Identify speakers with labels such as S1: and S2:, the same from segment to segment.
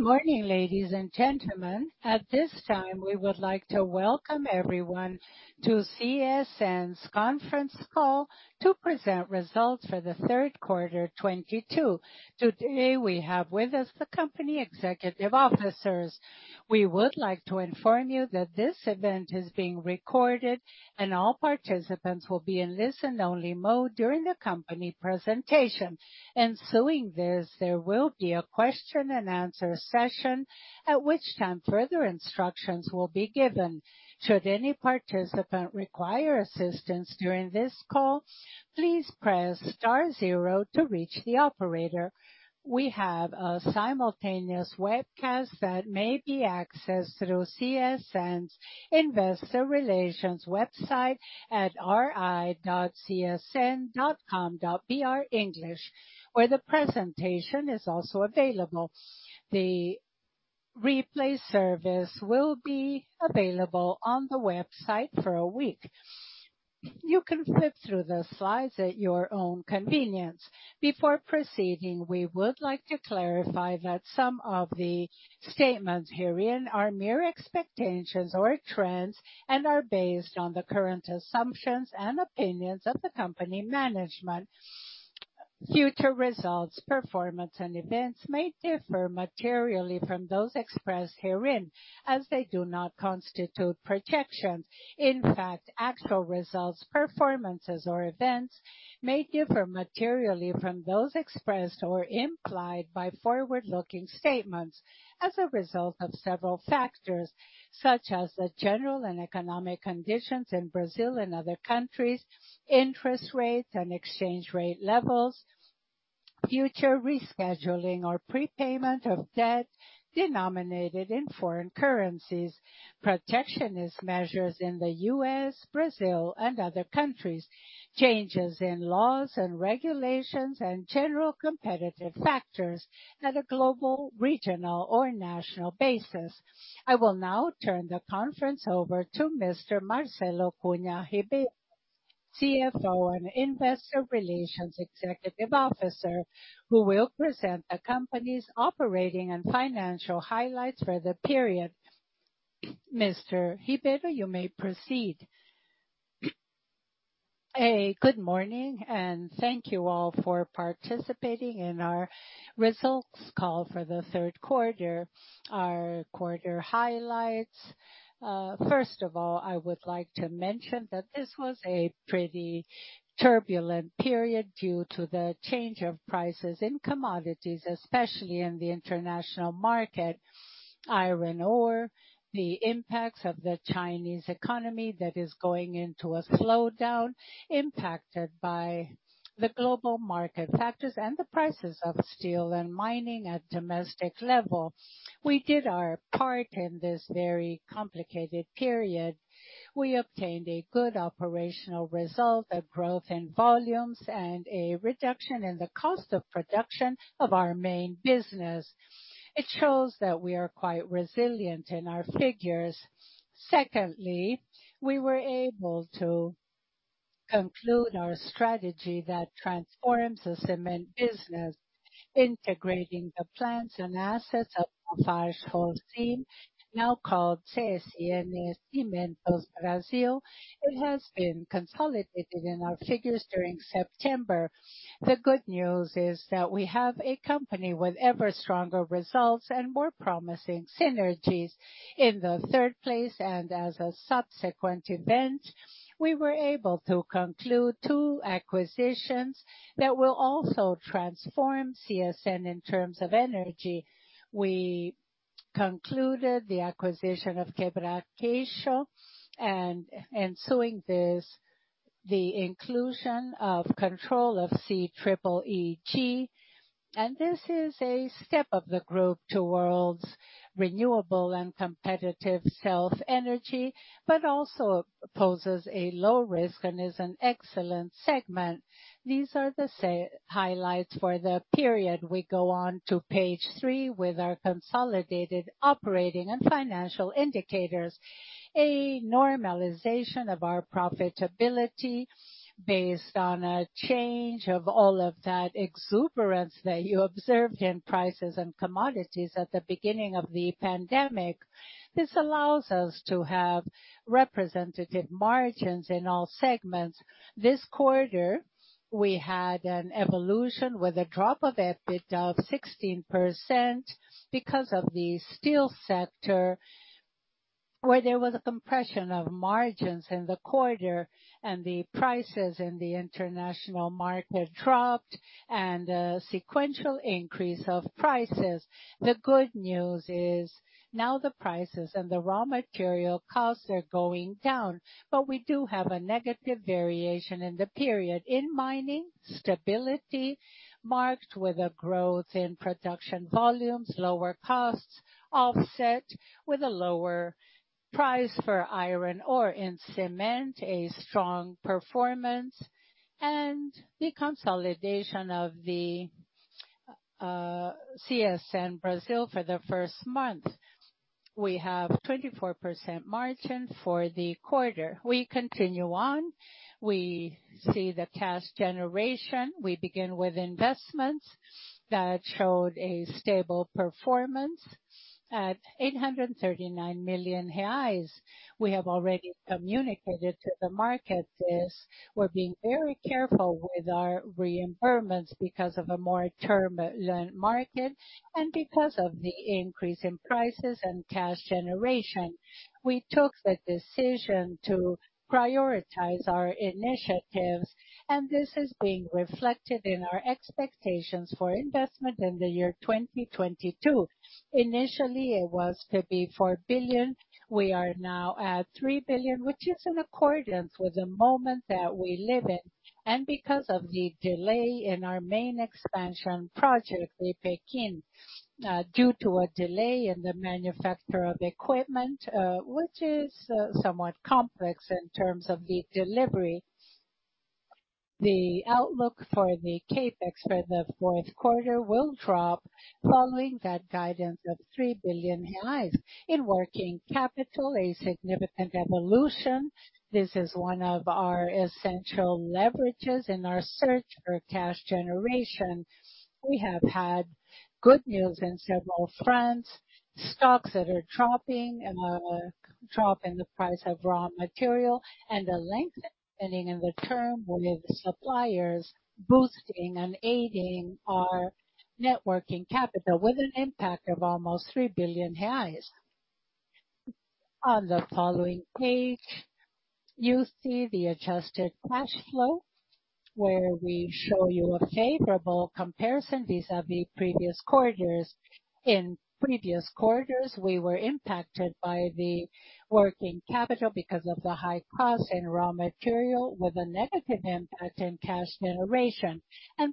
S1: Good morning, ladies and gentlemen. At this time, we would like to welcome everyone to CSN's conference call to present results for the third quarter 2022. Today, we have with us the company executive officers. We would like to inform you that this event is being recorded, and all participants will be in listen-only mode during the company presentation. Ensuing this, there will be a question and answer session, at which time further instructions will be given. Should any participant require assistance during this call, please press star zero to reach the operator. We have a simultaneous webcast that may be accessed through CSN's investor relations website at ri.csn.com.br English, where the presentation is also available. The replay service will be available on the website for a week. You can flip through the slides at your own convenience. Before proceeding, we would like to clarify that some of the statements herein are mere expectations or trends and are based on the current assumptions and opinions of the company management. Future results, performance, and events may differ materially from those expressed herein, as they do not constitute projections. In fact, actual results, performances, or events may differ materially from those expressed or implied by forward-looking statements as a result of several factors, such as the general and economic conditions in Brazil and other countries, interest rates and exchange rate levels, future rescheduling or prepayment of debt denominated in foreign currencies, protectionist measures in the U.S., Brazil, and other countries, changes in laws and regulations, and general competitive factors at a global, regional, or national basis. I will now turn the conference over to Mr. Marcelo Cunha Ribeiro, CFO and Investor Relations Executive Officer, who will present the company's operating and financial highlights for the period. Mr. Ribeiro, you may proceed.
S2: Good morning, and thank you all for participating in our results call for the third quarter. Our quarter highlights. First of all, I would like to mention that this was a pretty turbulent period due to the change of prices in commodities, especially in the international market. Iron ore, the impacts of the Chinese economy that is going into a slowdown impacted by the global market factors and the prices of steel and mining at domestic level. We did our part in this very complicated period. We obtained a good operational result, a growth in volumes, and a reduction in the cost of production of our main business. It shows that we are quite resilient in our figures. Secondly, we were able to conclude our strategy that transforms the cement business, integrating the plants and assets of LafargeHolcim, now called CSN Cimentos Brasil. It has been consolidated in our figures during September. The good news is that we have a company with ever stronger results and more promising synergies. In the third place and as a subsequent event, we were able to conclude two acquisitions that will also transform CSN in terms of energy. We concluded the acquisition of Quebra-Queixo and, ensuing this, the inclusion of control of CEEE-G. This is a step of the group towards renewable and competitive self-energy, but also poses a low risk and is an excellent segment. These are the highlights for the period. We go on to page three with our consolidated operating and financial indicators. A normalization of our profitability based on a change of all of that exuberance that you observed in prices and commodities at the beginning of the pandemic. This allows us to have representative margins in all segments. This quarter, we had an evolution with a drop of EBITDA of 16% because of the steel sector, where there was a compression of margins in the quarter and the prices in the international market dropped and a sequential increase of prices. The good news is now the prices and the raw material costs are going down, but we do have a negative variation in the period. In mining, stability marked with a growth in production volumes, lower costs offset with a lower price for iron ore. In cement, a strong performance and the consolidation of the CSN Cimentos Brasil for the first month. We have 24% margin for the quarter. We continue on. We see the cash generation. We begin with investments that showed a stable performance at 839 million reais. We have already communicated to the market this. We're being very careful with our reimbursements because of a more turbulent market and because of the increase in prices and cash generation. We took the decision to prioritize our initiatives, and this is being reflected in our expectations for investment in the year 2022. Initially, it was to be 4 billion. We are now at 3 billion, which is in accordance with the moment that we live in. Because of the delay in our main expansion project in Pecém, due to a delay in the manufacture of equipment, which is somewhat complex in terms of the delivery. The outlook for the CapEx for the fourth quarter will drop following that guidance of 3 billion. In working capital, a significant evolution. This is one of our essential leverages in our search for cash generation. We have had good news in several fronts, stocks that are dropping and a drop in the price of raw material and a lengthening in the term with suppliers boosting and aiding our net working capital with an impact of almost 3 billion reais. On the following page, you see the adjusted cash flow, where we show you a favorable comparison vis-à-vis previous quarters. In previous quarters, we were impacted by the working capital because of the high costs in raw material with a negative impact in cash generation.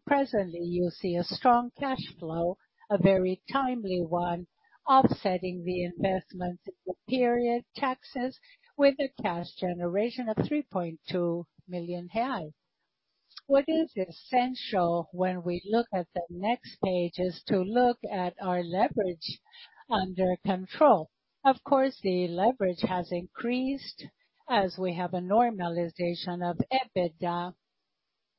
S2: Presently, you see a strong cash flow, a very timely one, offsetting the investment period taxes with a cash generation of 3.2 million. What is essential when we look at the next page is to look at our leverage under control. Of course, the leverage has increased as we have a normalization of EBITDA,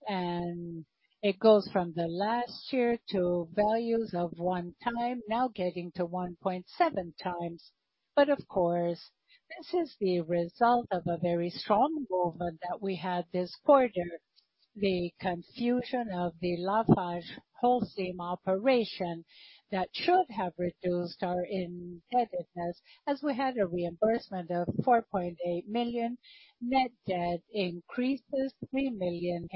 S2: and it goes from last year to values of 1x, now getting to 1.7x. Of course, this is the result of a very strong movement that we had this quarter. The conclusion of the LafargeHolcim operation that should have reduced our indebtedness as we had a reimbursement of 4.8 million. Net debt increases 3 million,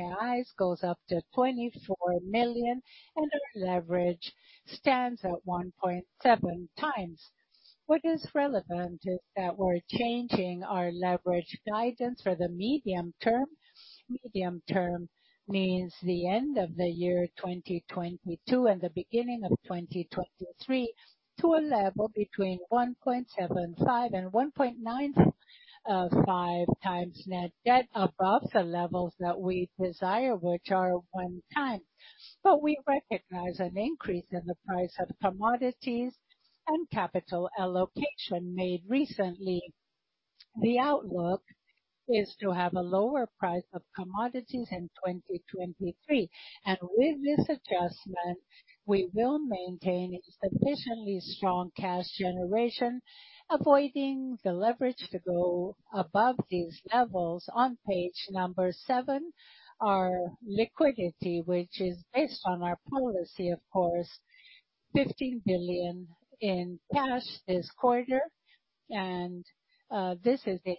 S2: goes up to 24 million, and our leverage stands at 1.7x. What is relevant is that we're changing our leverage guidance for the medium term. Medium term means the end of the year 2022 and the beginning of 2023 to a level between 1.75 and 1.95x net debt above the levels that we desire, which are 1x. We recognize an increase in the price of commodities and capital allocation made recently. The outlook is to have a lower price of commodities in 2023. With this adjustment, we will maintain a sufficiently strong cash generation, avoiding the leverage to go above these levels. On page 7, our liquidity, which is based on our policy, of course, 15 billion in cash this quarter. This is the amount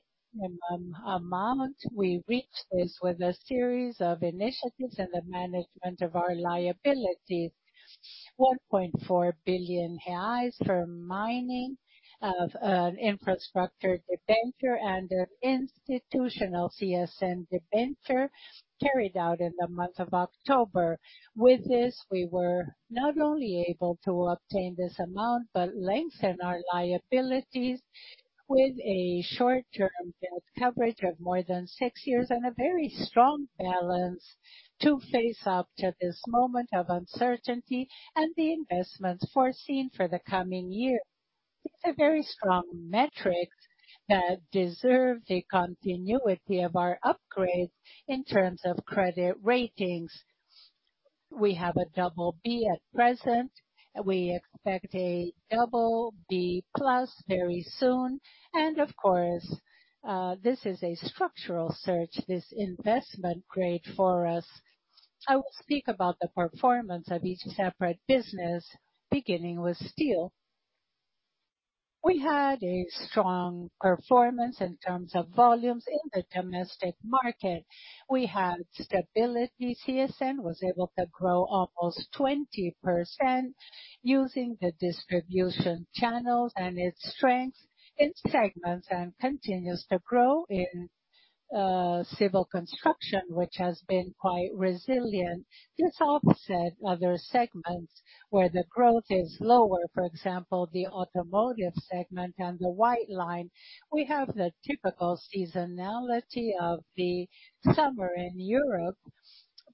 S2: we reached with a series of initiatives and the management of our liabilities. 1.4 billion reais for mining of an infrastructure debenture and an institutional CSN debenture carried out in the month of October. With this, we were not only able to obtain this amount but lengthen our liabilities with a short-term debt coverage of more than 6 years and a very strong balance to face up to this moment of uncertainty and the investments foreseen for the coming year. It's a very strong metric that deserves the continuity of our upgrade in terms of credit ratings. We have BB at present. We expect BB+ very soon. Of course, this is a structural search, this investment grade for us. I will speak about the performance of each separate business, beginning with steel. We had a strong performance in terms of volumes in the domestic market. We had stability. CSN was able to grow almost 20% using the distribution channels and its strengths in segments, and continues to grow in civil construction, which has been quite resilient. This offset other segments where the growth is lower, for example, the automotive segment and the white line. We have the typical seasonality of the summer in Europe.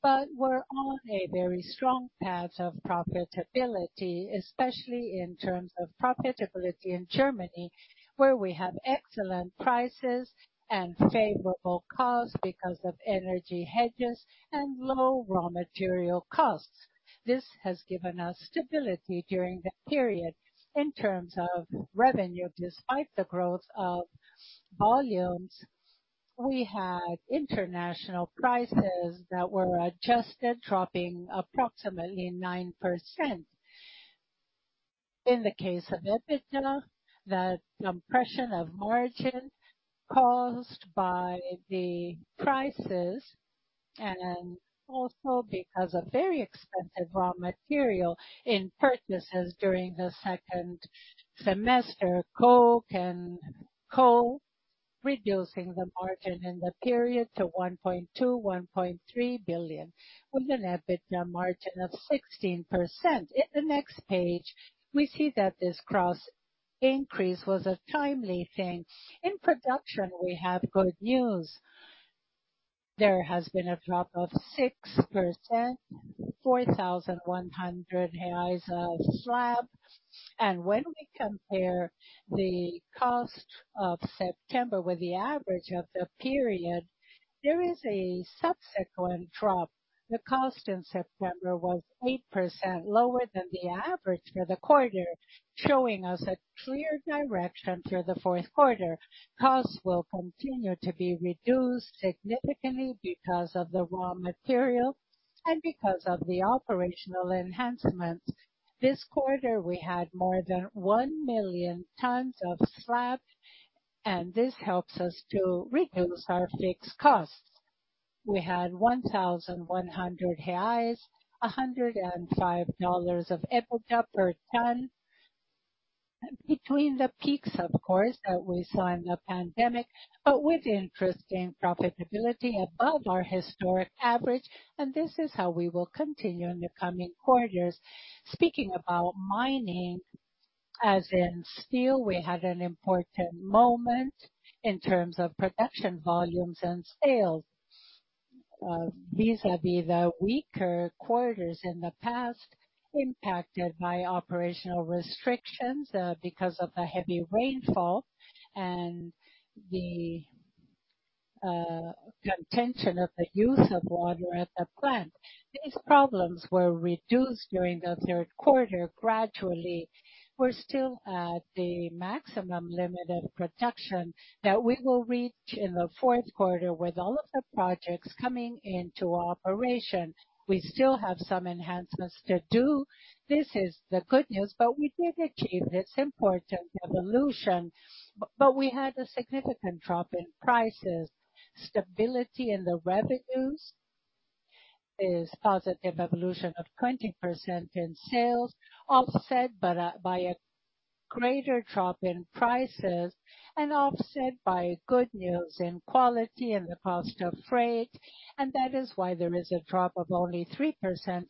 S2: But we're on a very strong path of profitability, especially in terms of profitability in Germany, where we have excellent prices and favorable costs because of energy hedges and low raw material costs. This has given us stability during the period. In terms of revenue, despite the growth of volumes, we had international prices that were adjusted, dropping approximately 9%. In the case of EBITDA, the compression of margin caused by the prices and also because of very expensive raw material in purchases during the second semester, coke and coal, reducing the margin in the period to 1.2 billion-1.3 billion, with an EBITDA margin of 16%. In the next page, we see that this cost increase was a timely thing. In production, we have good news. There has been a drop of 6%, 4,100 reais of slab. When we compare the cost of September with the average of the period, there is a subsequent drop. The cost in September was 8% lower than the average for the quarter, showing us a clear direction for the fourth quarter. Costs will continue to be reduced significantly because of the raw material and because of the operational enhancements. This quarter, we had more than 1,000,000 tons of slab, and this helps us to reduce our fixed costs. We had 1,100 reais, $105 of EBITDA per ton. Between the peaks, of course, that we saw in the pandemic, but with interesting profitability above our historic average, and this is how we will continue in the coming quarters. Speaking about mining, as in steel, we had an important moment in terms of production volumes and sales. Vis-à-vis the weaker quarters in the past impacted by operational restrictions, because of the heavy rainfall and the contention of the use of water at the plant. These problems were reduced during the third quarter gradually. We're still at the maximum limit of production that we will reach in the fourth quarter with all of the projects coming into operation. We still have some enhancements to do. This is the good news, we did achieve this important evolution. We had a significant drop in prices. Stability in the revenues is positive evolution of 20% in sales, offset by a greater drop in prices and offset by good news in quality and the cost of freight. That is why there is a drop of only 3%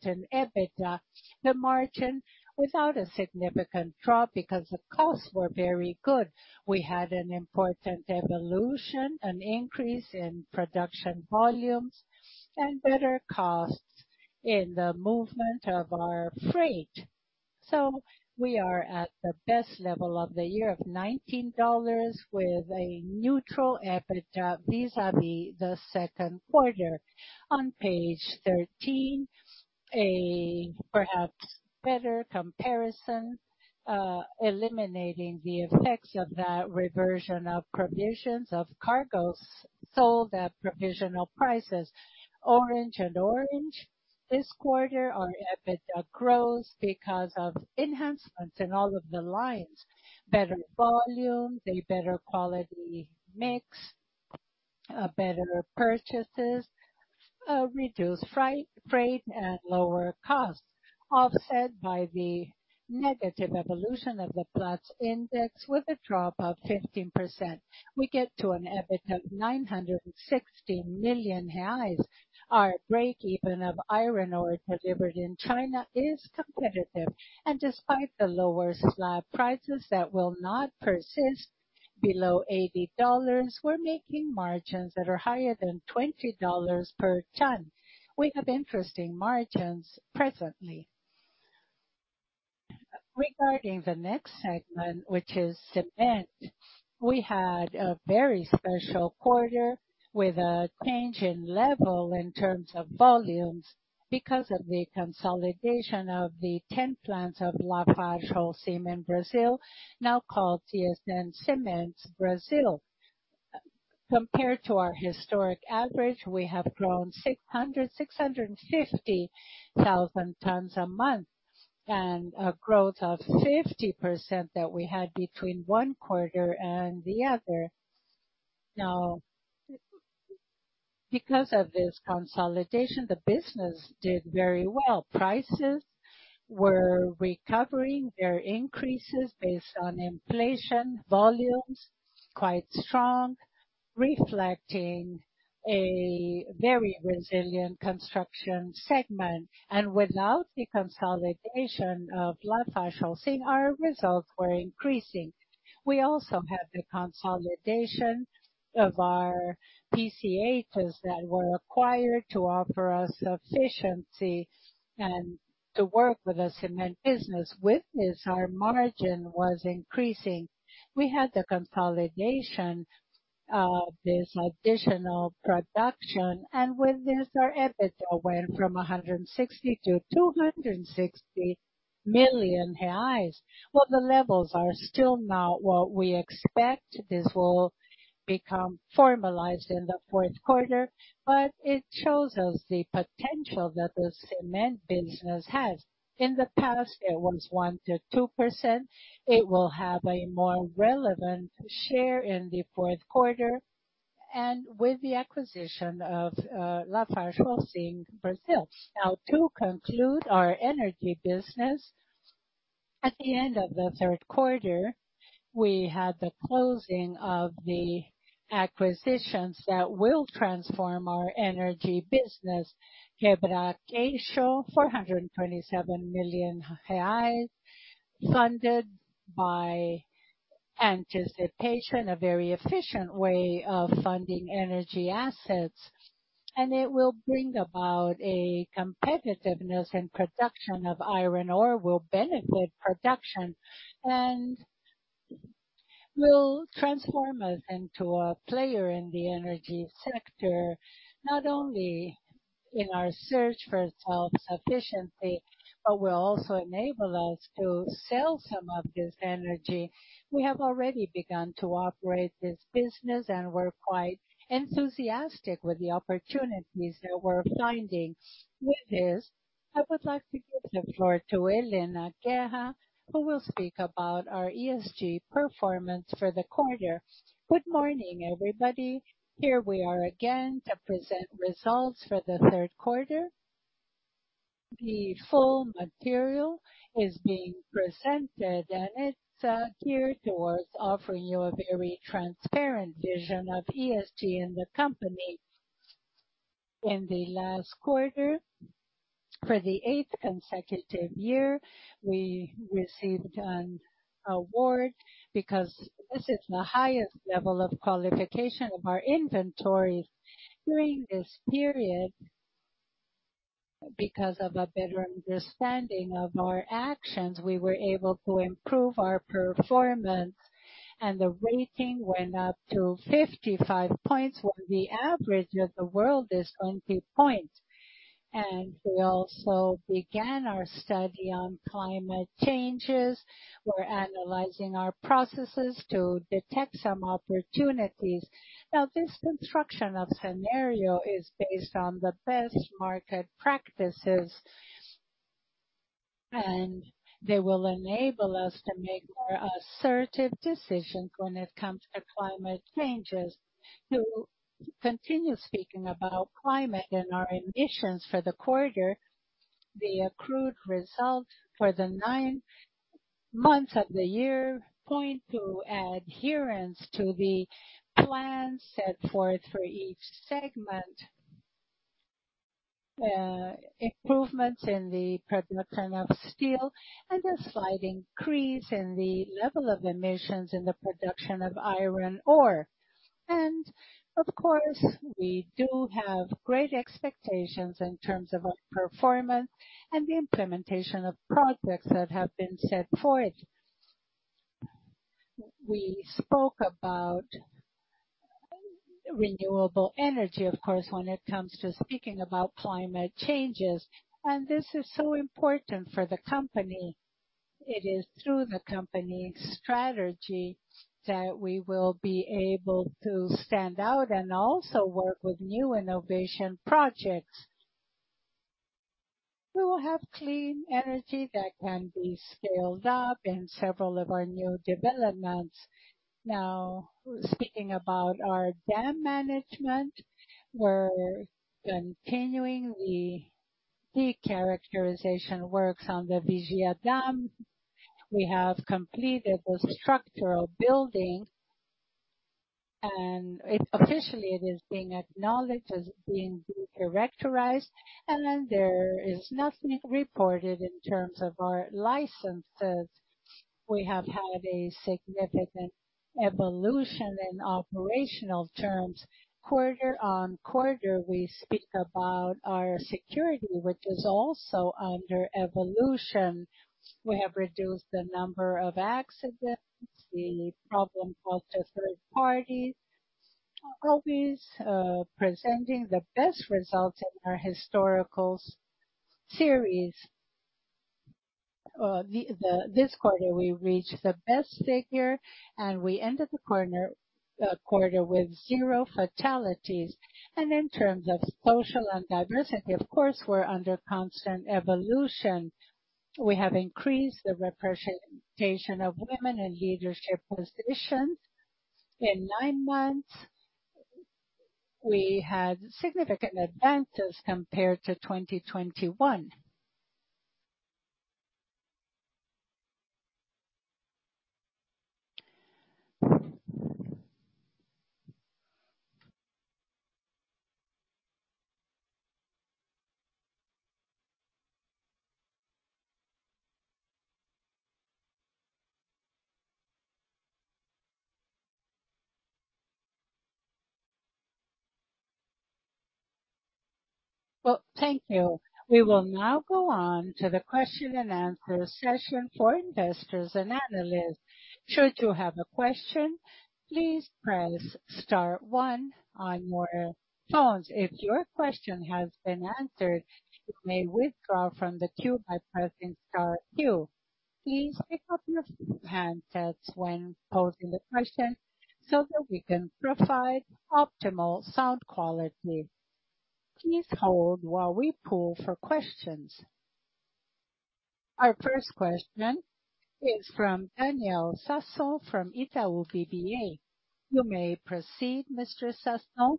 S2: in EBITDA. The margin without a significant drop because the costs were very good. We had an important evolution, an increase in production volumes and better costs in the movement of our freight. We are at the best level of the year of $19 with a neutral EBITDA vis-à-vis the second quarter. On page 13, a perhaps better comparison, eliminating the effects of that reversion of provisions of cargoes sold at provisional prices. This quarter, our EBITDA grows because of enhancements in all of the lines, better volume, a better quality mix, better pricing, reduced freight at lower costs, offset by the negative evolution of the Platts index with a drop of 15%. We get to an EBITDA of 960 million reais. Our breakeven of iron ore delivered in China is competitive, and despite the lower slab prices that will not persist below $80, we're making margins that are higher than $20 per ton. We have interesting margins presently. Regarding the next segment, which is cement, we had a very special quarter with a change in level in terms of volumes because of the consolidation of the 10 plants of LafargeHolcim in Brazil, now called CSN Cimentos Brasil. Compared to our historic average, we have grown 650,000 tons a month and a growth of 50% that we had between one quarter and the other. Now, because of this consolidation, the business did very well. Prices were recovering their increases based on inflation, volumes quite strong, reflecting a very resilient construction segment. Without the consolidation of LafargeHolcim, our results were increasing. We also have the consolidation of our PCHs that were acquired to offer us efficiency and to work with the cement business. With this, our margin was increasing. We had the consolidation of this additional production, and with this our EBITDA went from 160 million-260 million reais. The levels are still not what we expect. This will become formalized in the fourth quarter, but it shows us the potential that the cement business has. In the past, it was 1%-2%. It will have a more relevant share in the fourth quarter and with the acquisition of LafargeHolcim Brazil. Now, to conclude our energy business, at the end of the third quarter, we had the closing of the acquisitions that will transform our energy business. Quebra-Queixo, BRL 427 million, funded by anticipation, a very efficient way of funding energy assets, and it will bring about a competitiveness in production of iron ore, will benefit production, and will transform us into a player in the energy sector, not only in our search for self-sufficiency, but will also enable us to sell some of this energy. We have already begun to operate this business, and we're quite enthusiastic with the opportunities that we're finding. With this, I would like to give the floor to Helena Guerra, who will speak about our ESG performance for the quarter.
S3: Good morning, everybody. Here we are again to present results for the third quarter. The full material is being presented, and it's geared towards offering you a very transparent vision of ESG in the company. In the last quarter, for the eighth consecutive year, we received an award because this is the highest level of qualification of our industry. During this period, because of a better understanding of our actions, we were able to improve our performance and the rating went up to 55 points, where the average of the world is 20 points. We also began our study on climate changes. We're analyzing our processes to detect some opportunities. Now, this construction of scenario is based on the best market practices, and they will enable us to make more assertive decisions when it comes to climate changes. To continue speaking about climate and our emissions for the quarter, the accrued result for the nine months of the year point to adherence to the plan set forth for each segment. Improvements in the production of steel and a slight increase in the level of emissions in the production of iron ore. Of course, we do have great expectations in terms of our performance and the implementation of projects that have been set forth. We spoke about renewable energy, of course, when it comes to speaking about climate changes, and this is so important for the company. It is through the company's strategy that we will be able to stand out and also work with new innovation projects. We will have clean energy that can be scaled up in several of our new developments. Now, speaking about our dam management, we're continuing the decharacterization works on the Vigia dam. We have completed the structural building and officially it is being acknowledged as being decharacterized. There is nothing reported in terms of our licenses. We have had a significant evolution in operational terms. Quarter-on-quarter, we speak about our security, which is also under evolution. We have reduced the number of accidents, the problem of the third party always presenting the best results in our historical series. This quarter we reached the best figure, and we ended the quarter with 0 fatalities. In terms of social and diversity, of course, we're under constant evolution. We have increased the representation of women in leadership positions. In nine months, we had significant advances compared to 2021. Well,
S1: thank you. We will now go on to the question and answer session for investors and analysts. Should you have a question, please press star one on your phones. If your question has been answered, you may withdraw from the queue by pressing star two. Please pick up your handsets when posing the question so that we can provide optimal sound quality. Please hold while we poll for questions. Our first question is from Daniel Sasson from Itaú BBA. You may proceed, Mr. Sasson.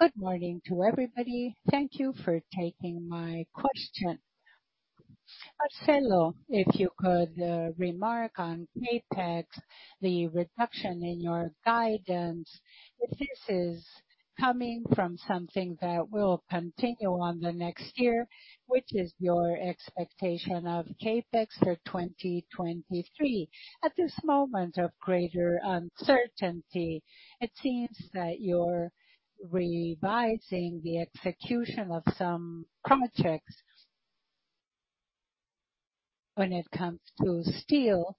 S4: Good morning to everybody. Thank you for taking my question. Marcelo, if you could remark on CapEx, the reduction in your guidance. If this is coming from something that will continue on the next year, which is your expectation of CapEx for 2023? At this moment of greater uncertainty, it seems that you're revising the execution of some projects when it comes to steel.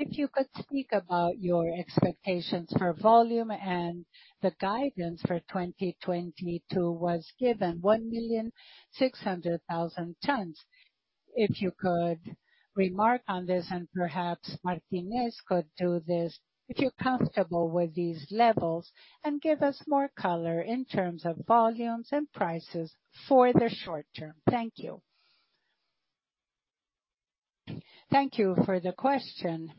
S4: If you could speak about your expectations for volume and the guidance for 2022 was given 1,600,000 tons. If you could remark on this, and perhaps Martinez could do this, if you're comfortable with these levels, and give us more color in terms of volumes and prices for the short term. Thank you.
S2: Thank you for the question.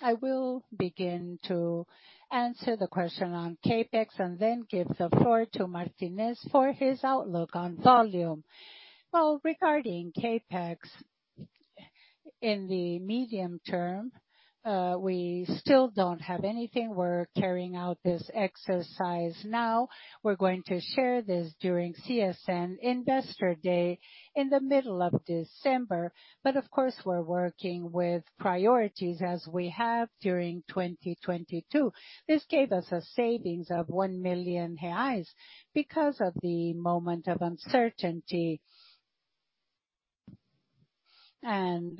S2: I will begin to answer the question on CapEx and then give the floor to Martinez for his outlook on volume. Well, regarding CapEx, in the medium term, we still don't have anything. We're carrying out this exercise now. We're going to share this during CSN Investor Day in the middle of December. Of course, we're working with priorities as we have during 2022. This gave us a savings of 1 million reais because of the moment of uncertainty.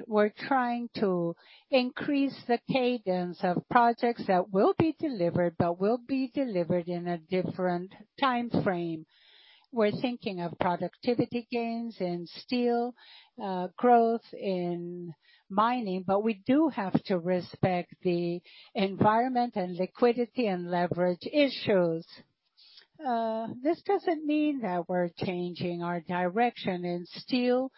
S2: We're trying to increase the cadence of projects that will be delivered but will be delivered in a different time frame. We're thinking of productivity gains in steel, growth in mining, but we do have to respect the environment and liquidity and leverage issues. This doesn't mean that we're changing our direction in steel.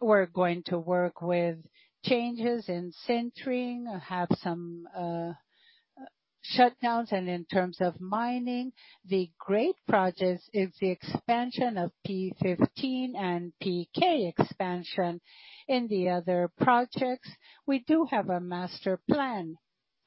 S2: We're going to work with changes in centering, have some, shutdowns. In terms of mining, the great projects is the expansion of P15 and PK expansion. In the other projects, we do have a master plan,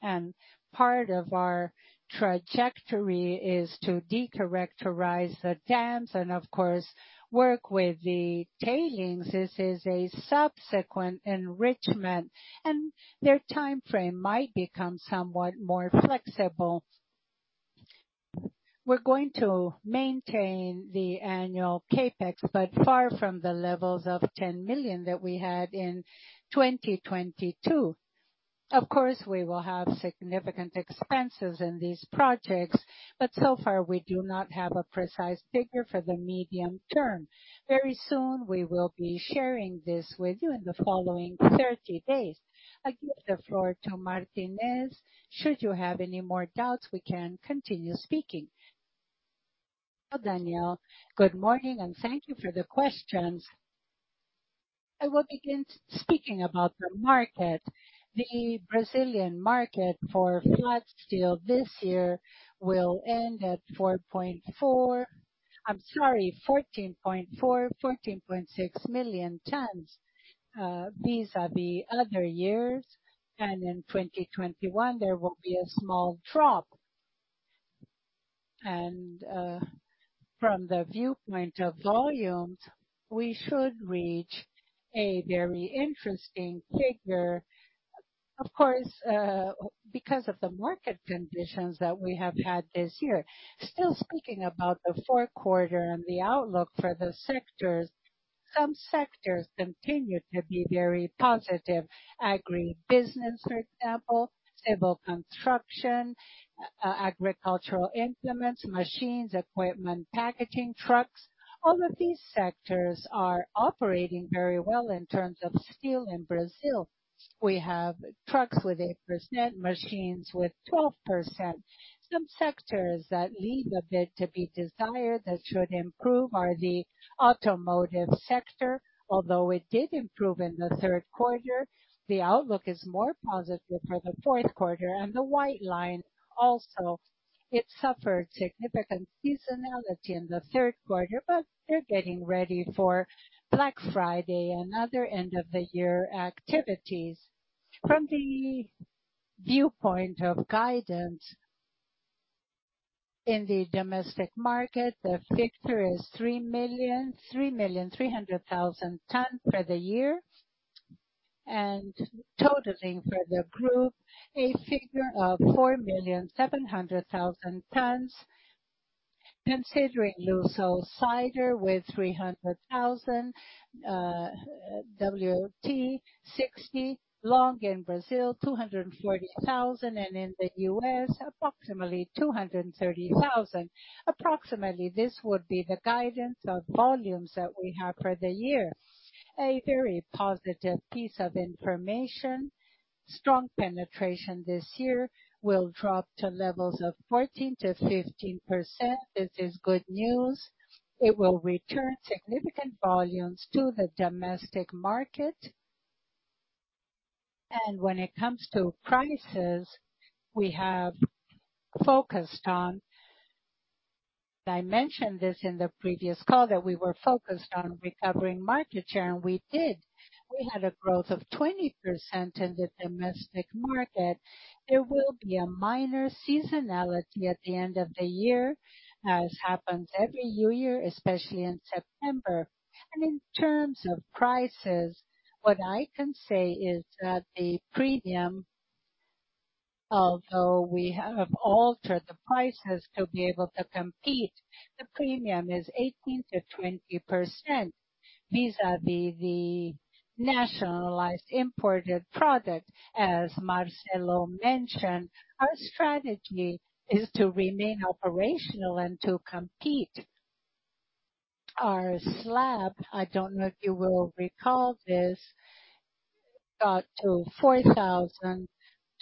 S2: and part of our trajectory is to de-characterize the dams and of course, work with the tailings. This is a subsequent enrichment, and their time frame might become somewhat more flexible. We're going to maintain the annual CapEx, but far from the levels of 10 million that we had in 2022. Of course, we will have significant expenses in these projects, but so far we do not have a precise figure for the medium term. Very soon, we will be sharing this with you in the following 30 days. I give the floor to Martinez. Should you have any more doubts, we can continue speaking.
S5: Daniel, good morning, and thank you for the questions. I will begin speaking about the market. The Brazilian market for flat steel this year will end at 4.4... 14.4, 14.6 million tons. These are the other years, and in 2021 there will be a small drop. From the viewpoint of volumes, we should reach a very interesting figure. Of course, because of the market conditions that we have had this year. Still speaking about the fourth quarter and the outlook for the sectors, some sectors continue to be very positive. Agribusiness, for example, civil construction, agricultural implements, machines, equipment, packaging trucks. All of these sectors are operating very well in terms of steel in Brazil. We have trucks with 8%, machines with 12%. Some sectors that leave a bit to be desired that should improve are the automotive sector. Although it did improve in the third quarter, the outlook is more positive for the fourth quarter. The white line also. It suffered significant seasonality in the third quarter, but they're getting ready for Black Friday and other end of the year activities. From the viewpoint of guidance in the domestic market, the figure is 3.3 million tons for the year, and totaling for the group a figure of 4.7 million tons, considering Lusosider with 300,000, SWT 60,000, longs in Brazil 240,000, and in the US approximately 230,000. Approximately this would be the guidance of volumes that we have for the year. A very positive piece of information. Strong penetration this year will drop to levels of 14%-15%. This is good news. It will return significant volumes to the domestic market. When it comes to prices, we have focused on... I mentioned this in the previous call, that we were focused on recovering market share, and we did. We had a growth of 20% in the domestic market. There will be a minor seasonality at the end of the year, as happens every new year, especially in September. In terms of prices, what I can say is that the premium, although we have altered the prices to be able to compete, the premium is 18%-20% vis-à-vis the nationalized imported product. As Marcelo mentioned, our strategy is to remain operational and to compete. Our slab, I don't know if you will recall this, got to 4,200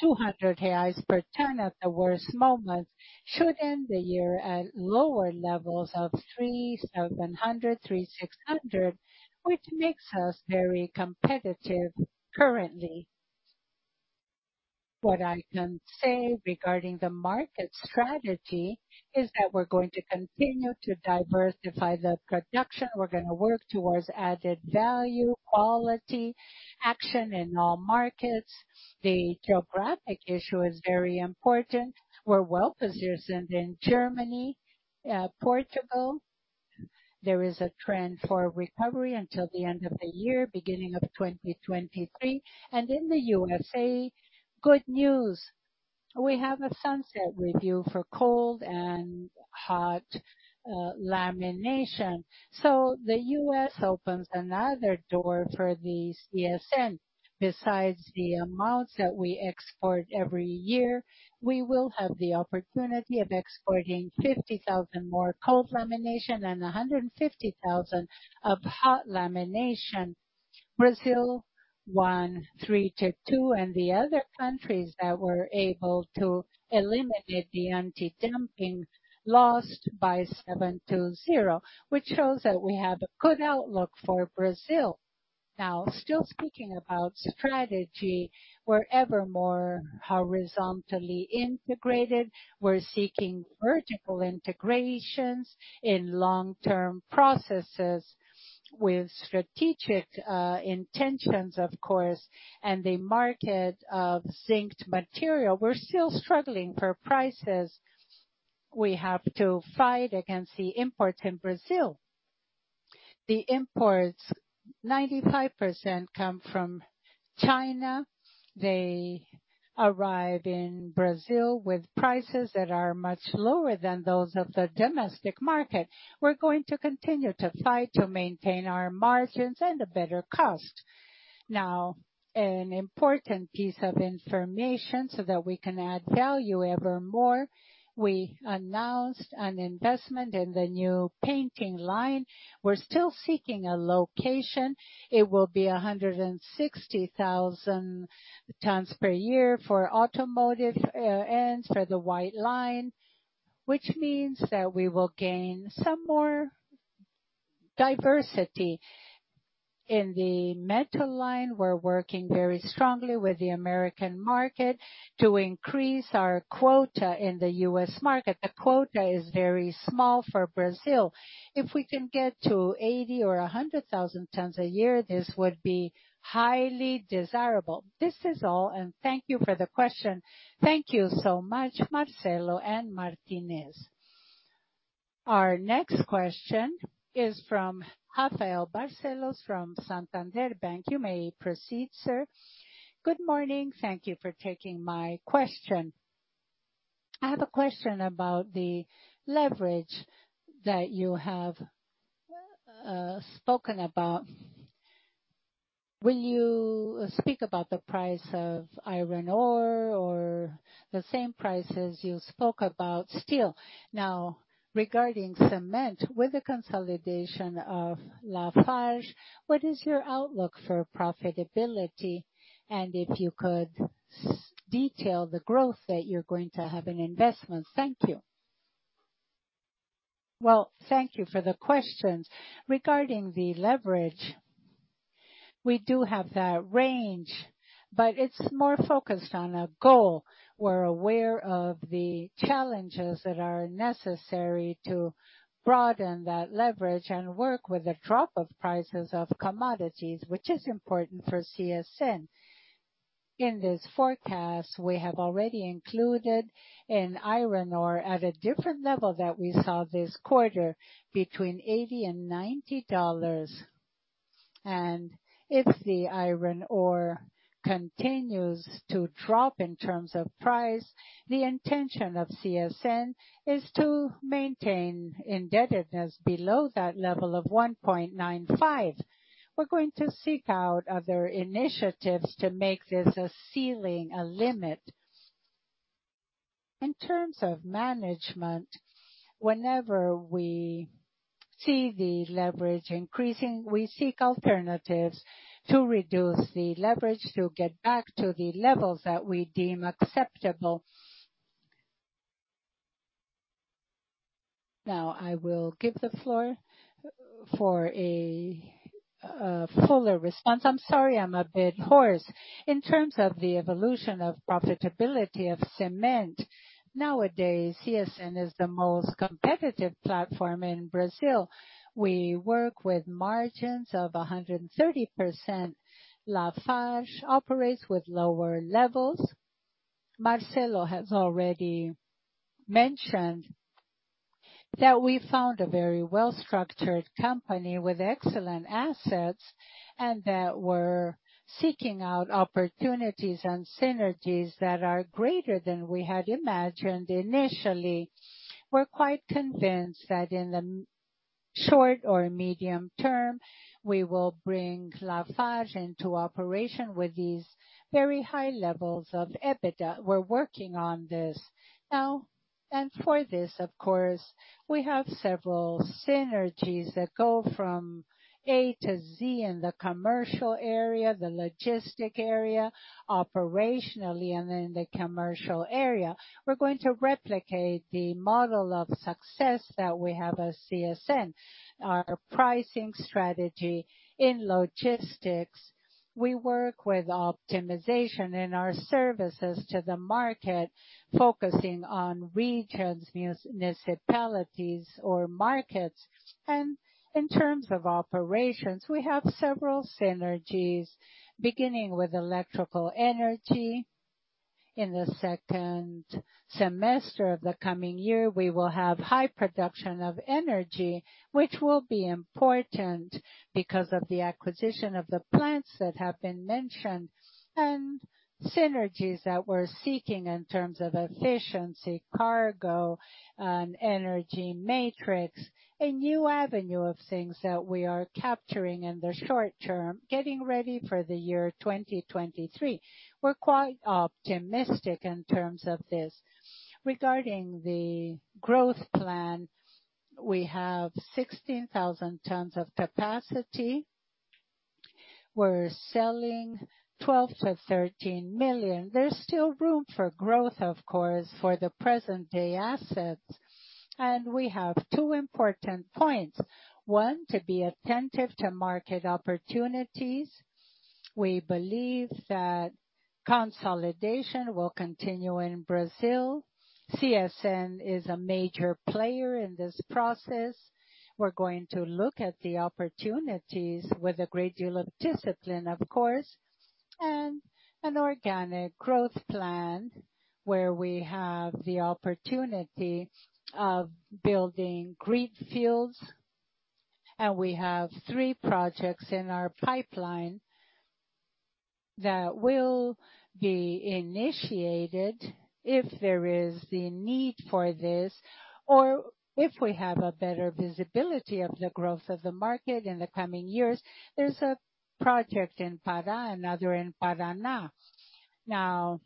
S5: reais per ton at the worst moment. Should end the year at lower levels of 3,700, 3,600, which makes us very competitive currently. What I can say regarding the market strategy is that we're going to continue to diversify the production. We're gonna work towards added value, quality, action in all markets. The geographic issue is very important. We're well positioned in Germany. Portugal, there is a trend for recovery until the end of the year, beginning of 2023. In the U.S., good news. We have a sunset review for cold and hot lamination. The U.S. opens another door for the CSN. Besides the amounts that we export every year, we will have the opportunity of exporting 50,000 more cold lamination and 150,000 of hot lamination. Brazil won 3-2, and the other countries that were able to eliminate the anti-dumping lost by 7-0, which shows that we have a good outlook for Brazil. Now, still speaking about strategy, we're ever more horizontally integrated. We're seeking vertical integrations in long-term processes with strategic intentions, of course. The market of zinc material, we're still struggling for prices. We have to fight against the imports in Brazil. The imports, 95% come from China. They arrive in Brazil with prices that are much lower than those of the domestic market. We're going to continue to fight to maintain our margins and a better cost. Now, an important piece of information so that we can add value evermore. We announced an investment in the new painting line. We're still seeking a location. It will be 160,000 tons per year for automotive and for the white line, which means that we will gain some more diversity. In the metal line, we're working very strongly with the American market to increase our quota in the US market. The quota is very small for Brazil. If we can get to 80 or 100,000 tons a year, this would be highly desirable. This is all, and thank you for the question.
S4: Thank you so much, Marcelo and Martinez.
S1: Our next question is from Rafael Barcellos from Santander Bank. You may proceed, sir.
S6: Good morning. Thank you for taking my question. I have a question about the leverage that you have spoken about. Will you speak about the price of iron ore or the same prices you spoke about steel? Now, regarding cement, with the consolidation of LafargeHolcim, what is your outlook for profitability? And if you could detail the growth that you're going to have in investments. Thank you.
S2: Well, thank you for the question. Regarding the leverage, we do have that range, but it's more focused on a goal. We're aware of the challenges that are necessary to broaden that leverage and work with the drop of prices of commodities, which is important for CSN. In this forecast, we have already included an iron ore at a different level that we saw this quarter between $80 and $90. If the iron ore continues to drop in terms of price, the intention of CSN is to maintain indebtedness below that level of 1.95. We're going to seek out other initiatives to make this a ceiling, a limit. In terms of management, whenever we see the leverage increasing, we seek alternatives to reduce the leverage to get back to the levels that we deem acceptable. Now, I will give the floor for a fuller response.
S7: I'm sorry I'm a bit hoarse. In terms of the evolution of profitability of cement, nowadays, CSN is the most competitive platform in Brazil. We work with margins of 130%. LafargeHolcim operates with lower levels. Marcelo has already mentioned that we found a very well-structured company with excellent assets, and that we're seeking out opportunities and synergies that are greater than we had imagined initially. We're quite convinced that in the short or medium term, we will bring LafargeHolcim into operation with these very high levels of EBITDA. We're working on this now. For this, of course, we have several synergies that go from A to Z in the commercial area, the logistics area, operationally and in the commercial area. We're going to replicate the model of success that we have as CSN. Our pricing strategy in logistics, we work with optimization in our services to the market, focusing on regions, municipalities or markets. In terms of operations, we have several synergies, beginning with electrical energy. In the second semester of the coming year, we will have high production of energy, which will be important because of the acquisition of the plants that have been mentioned, and synergies that we're seeking in terms of efficiency, cargo and energy matrix, a new avenue of things that we are capturing in the short term, getting ready for the year 2023. We're quite optimistic in terms of this. Regarding the growth plan, we have 16,000 tons of capacity. We're selling 12-13 million. There's still room for growth, of course, for the present day assets. We have two important points. One, to be attentive to market opportunities. We believe that consolidation will continue in Brazil. CSN is a major player in this process. We're going to look at the opportunities with a great deal of discipline, of course, and an organic growth plan where we have the opportunity of building green fields. We have three projects in our pipeline that will be initiated if there is the need for this or if we have a better visibility of the growth of the market in the coming years. There's a project in Pará, another in Paraná. Now,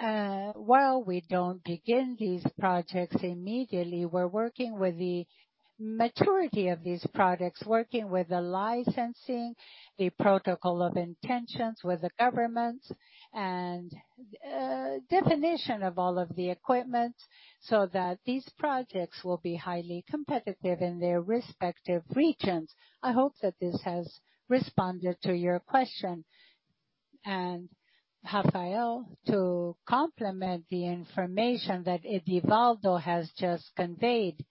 S7: while we don't begin these projects immediately, we're working with the maturity of these projects, working with the licensing, the protocol of intentions with the government and definition of all of the equipment, so that these projects will be highly competitive in their respective regions. I hope that this has responded to your question.
S2: Rafael, to complement the information that Edvaldo has just conveyed,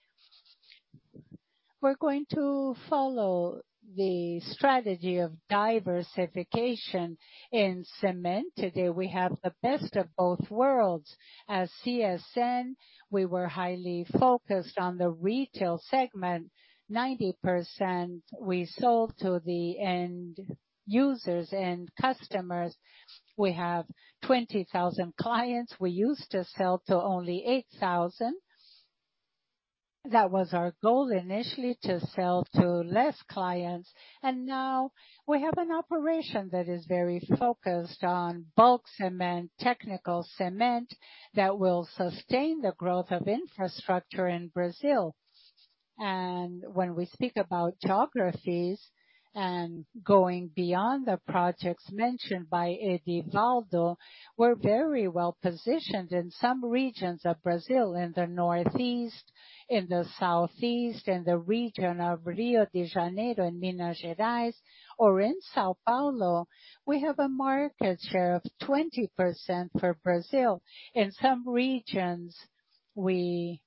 S2: we're going to follow the strategy of diversification in cement. Today, we have the best of both worlds. As CSN, we were highly focused on the retail segment. 90% we sold to the end users and customers. We have 20,000 clients. We used to sell to only 8,000. That was our goal initially, to sell to less clients. Now we have an operation that is very focused on bulk cement, technical cement that will sustain the growth of infrastructure in Brazil. When we speak about geographies and going beyond the projects mentioned by Edvaldo, we're very well-positioned in some regions of Brazil, in the Northeast, in the Southeast, in the region of Rio de Janeiro and Minas Gerais, or in São Paulo. We have a market share of 20% for Brazil. In some regions, we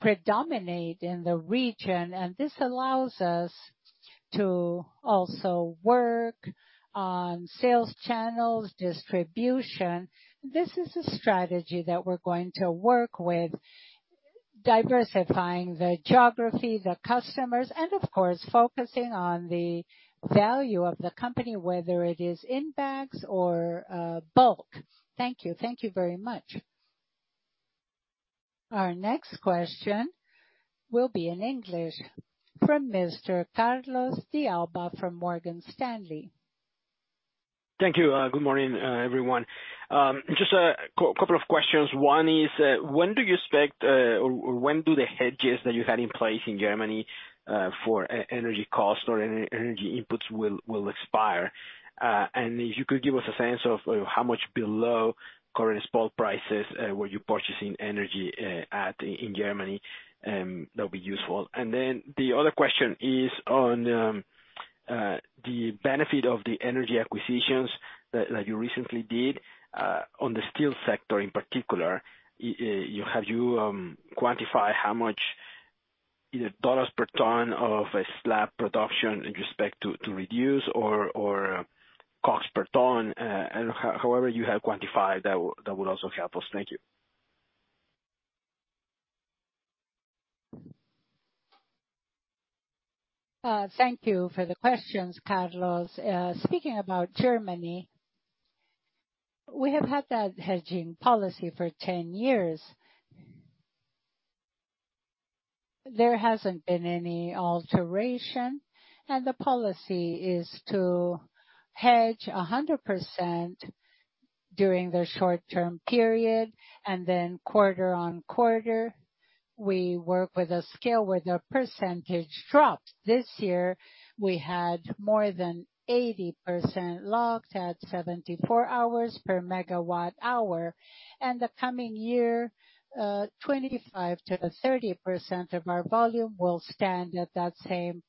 S2: predominate in the region, and this allows us to also work on sales channels, distribution. This is a strategy that we're going to work with, diversifying the geography, the customers, and of course, focusing on the value of the company, whether it is in bags or bulk.
S6: Thank you. Thank you very much.
S1: Our next question will be in English from Mr. Carlos de Alba from Morgan Stanley.
S8: Thank you. Good morning, everyone. Just a couple of questions. One is, when do you expect the hedges that you had in place in Germany for energy cost or energy inputs will expire? And if you could give us a sense of how much below current spot prices were you purchasing energy in Germany, that'll be useful. The other question is on the benefit of the energy acquisitions that you recently did. On the steel sector in particular, have you quantified how much either dollars per ton of slab production in respect to reduce or costs per ton, however you have quantified that would also help us. Thank you.
S2: Thank you for the questions, Carlos. Speaking about Germany, we have had that hedging policy for 10 years. There hasn't been any alteration, and the policy is to hedge 100% during the short-term period. Then quarter on quarter, we work with a scale where the percentage drops. This year, we had more than 80% locked at 74 per megawatt-hour. The coming year, 25%-30% of our volume will stand at that same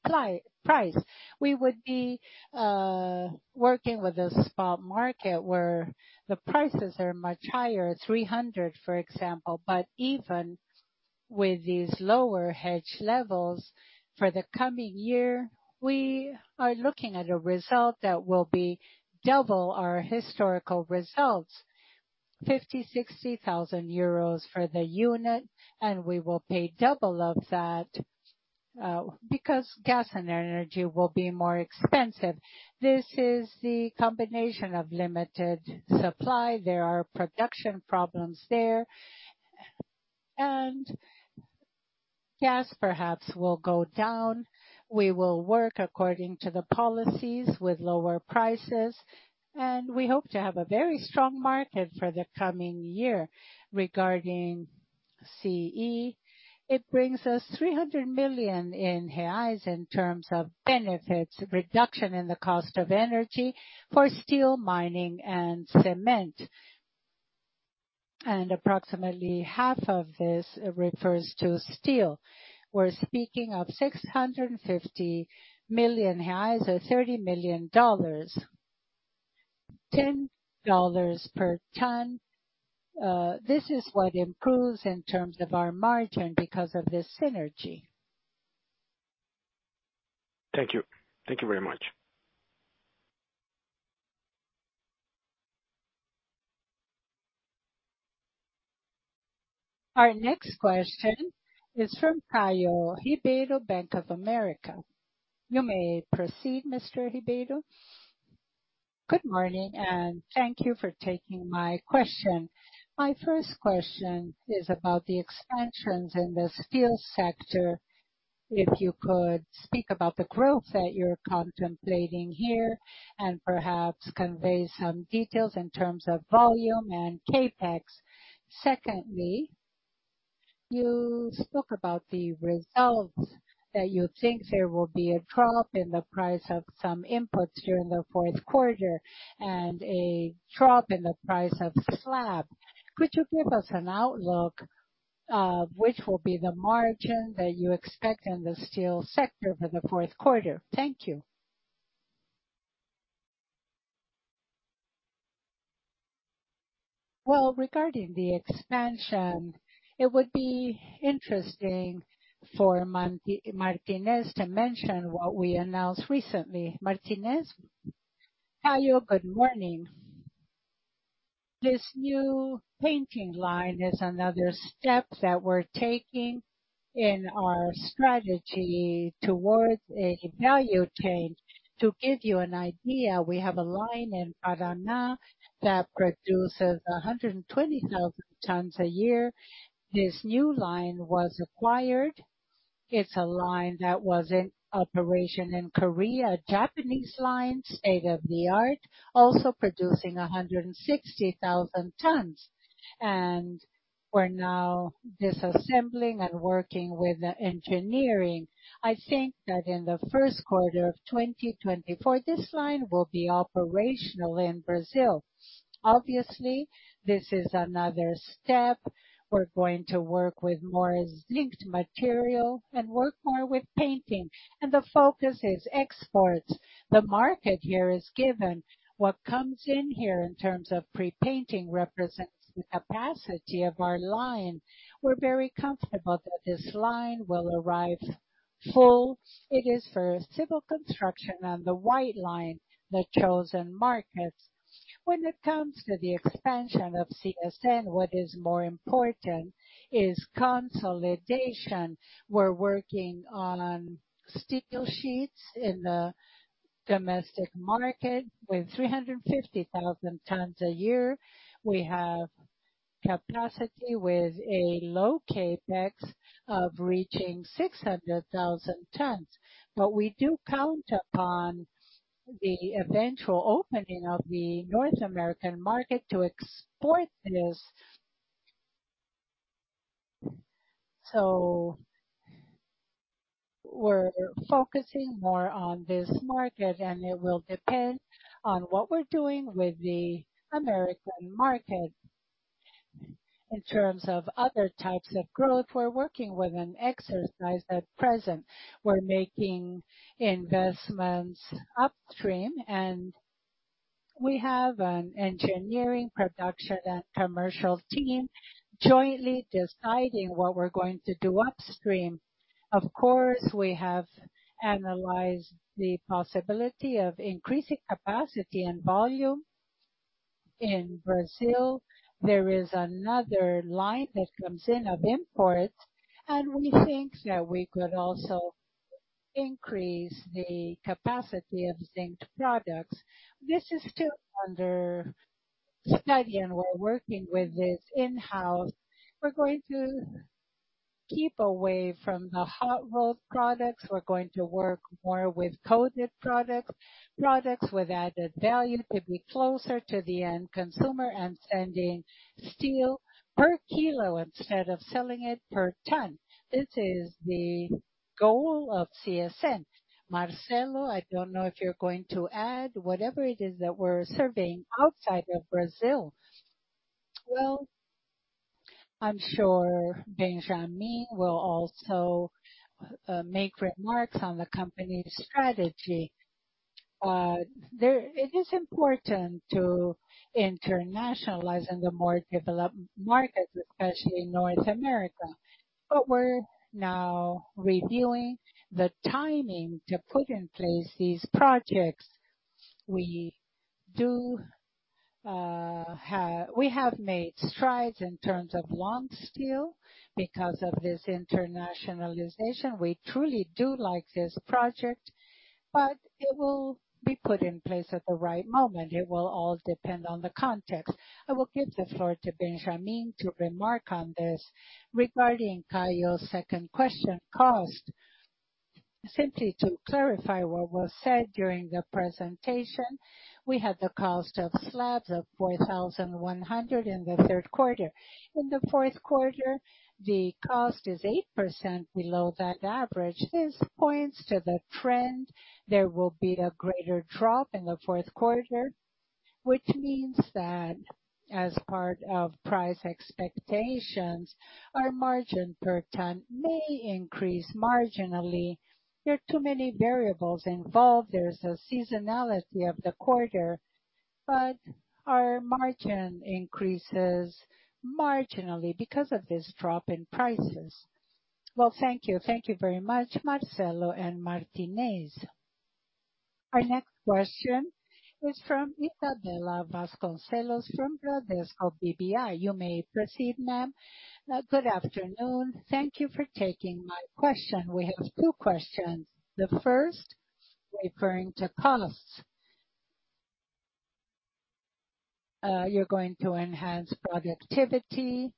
S2: price. We would be working with a spot market where the prices are much higher, 300, for example. Even with these lower hedge levels for the coming year, we are looking at a result that will be double our historical results, 50,000-60,000 euros for the unit, and we will pay double of that, because gas and energy will be more expensive. This is the combination of limited supply. There are production problems there. Gas perhaps will go down. We will work according to the policies with lower prices, and we hope to have a very strong market for the coming year. Regarding CEEE, it brings us 300 million reais in terms of benefits, reduction in the cost of energy for steel mining and cement. Approximately half of this refers to steel. We're speaking of 650 million reais or $30 million, $10 per ton. This is what improves in terms of our margin because of the synergy.
S8: Thank you. Thank you very much.
S1: Our next question is from Caio Ribeiro, Bank of America. You may proceed, Mr. Ribeiro.
S9: Good morning, and thank you for taking my question. My first question is about the expansions in the steel sector. If you could speak about the growth that you're contemplating here and perhaps convey some details in terms of volume and CapEx. Secondly, you spoke about the results that you think there will be a drop in the price of some inputs during the fourth quarter and a drop in the price of slab. Could you give us an outlook, which will be the margin that you expect in the steel sector for the fourth quarter? Thank you.
S2: Well, regarding the expansion, it would be interesting for Martinez to mention what we announced recently. Martinez?
S5: Caio, good morning. This new painting line is another step that we're taking in our strategy towards a value chain. To give you an idea, we have a line in Paraná that produces 120,000 tons a year. This new line was acquired. It's a line that was in operation in Korea, a Japanese line, state-of-the-art, also producing 160,000 tons. We're now disassembling and working with engineering. I think that in the first quarter of 2024, this line will be operational in Brazil. Obviously, this is another step. We're going to work with more zinc material and work more with painting, and the focus is exports. The market here is given. What comes in here in terms of pre-painting represents the capacity of our line. We're very comfortable that this line will arrive full. It is for civil construction and the white line, the chosen markets. When it comes to the expansion of CSN, what is more important is consolidation. We're working on steel sheets in the domestic market with 350,000 tons a year. We have capacity with a low CapEx of reaching 600,000 tons. We do count upon the eventual opening of the North American market to export this. We're focusing more on this market, and it will depend on what we're doing with the American market. In terms of other types of growth, we're working with an exercise. At present, we're making investments upstream, and we have an engineering, production and commercial team jointly deciding what we're going to do upstream. Of course, we have analyzed the possibility of increasing capacity and volume. In Brazil, there is another line that comes in of imports, and we think that we could also increase the capacity of zinc products. This is still under study, and we're working with this in-house. We're going to keep away from the hot rolled products. We're going to work more with coated products with added value to be closer to the end consumer and sending steel per kilo instead of selling it per ton. This is the goal of CSN. Marcelo, I don't know if you're going to add whatever it is that we're surveying outside of Brazil.
S2: Well, I'm sure Benjamin will also make remarks on the company's strategy. It is important to internationalize in the more developed markets, especially North America, but we're now reviewing the timing to put in place these projects. We have made strides in terms of long steel because of this internationalization. We truly do like this project, but it will be put in place at the right moment. It will all depend on the context. I will give the floor to Benjamin to remark on this.
S10: Regarding Caio's second question, cost. Simply to clarify what was said during the presentation, we had the cost of slabs of 4,100 in the third quarter. In the fourth quarter, the cost is 8% below that average. This points to the trend. There will be a greater drop in the fourth quarter, which means that as part of price expectations, our margin per ton may increase marginally. There are too many variables involved. There's a seasonality of the quarter, but our margin increases marginally because of this drop in prices.
S9: Well, thank you. Thank you very much, Marcelo and Martinez.
S1: Our next question is from Isabella Vasconcelos, from Bradesco BBI. You may proceed, ma'am.
S11: Good afternoon. Thank you for taking my question. We have two questions. The first, referring to costs. You're going to enhance productivity,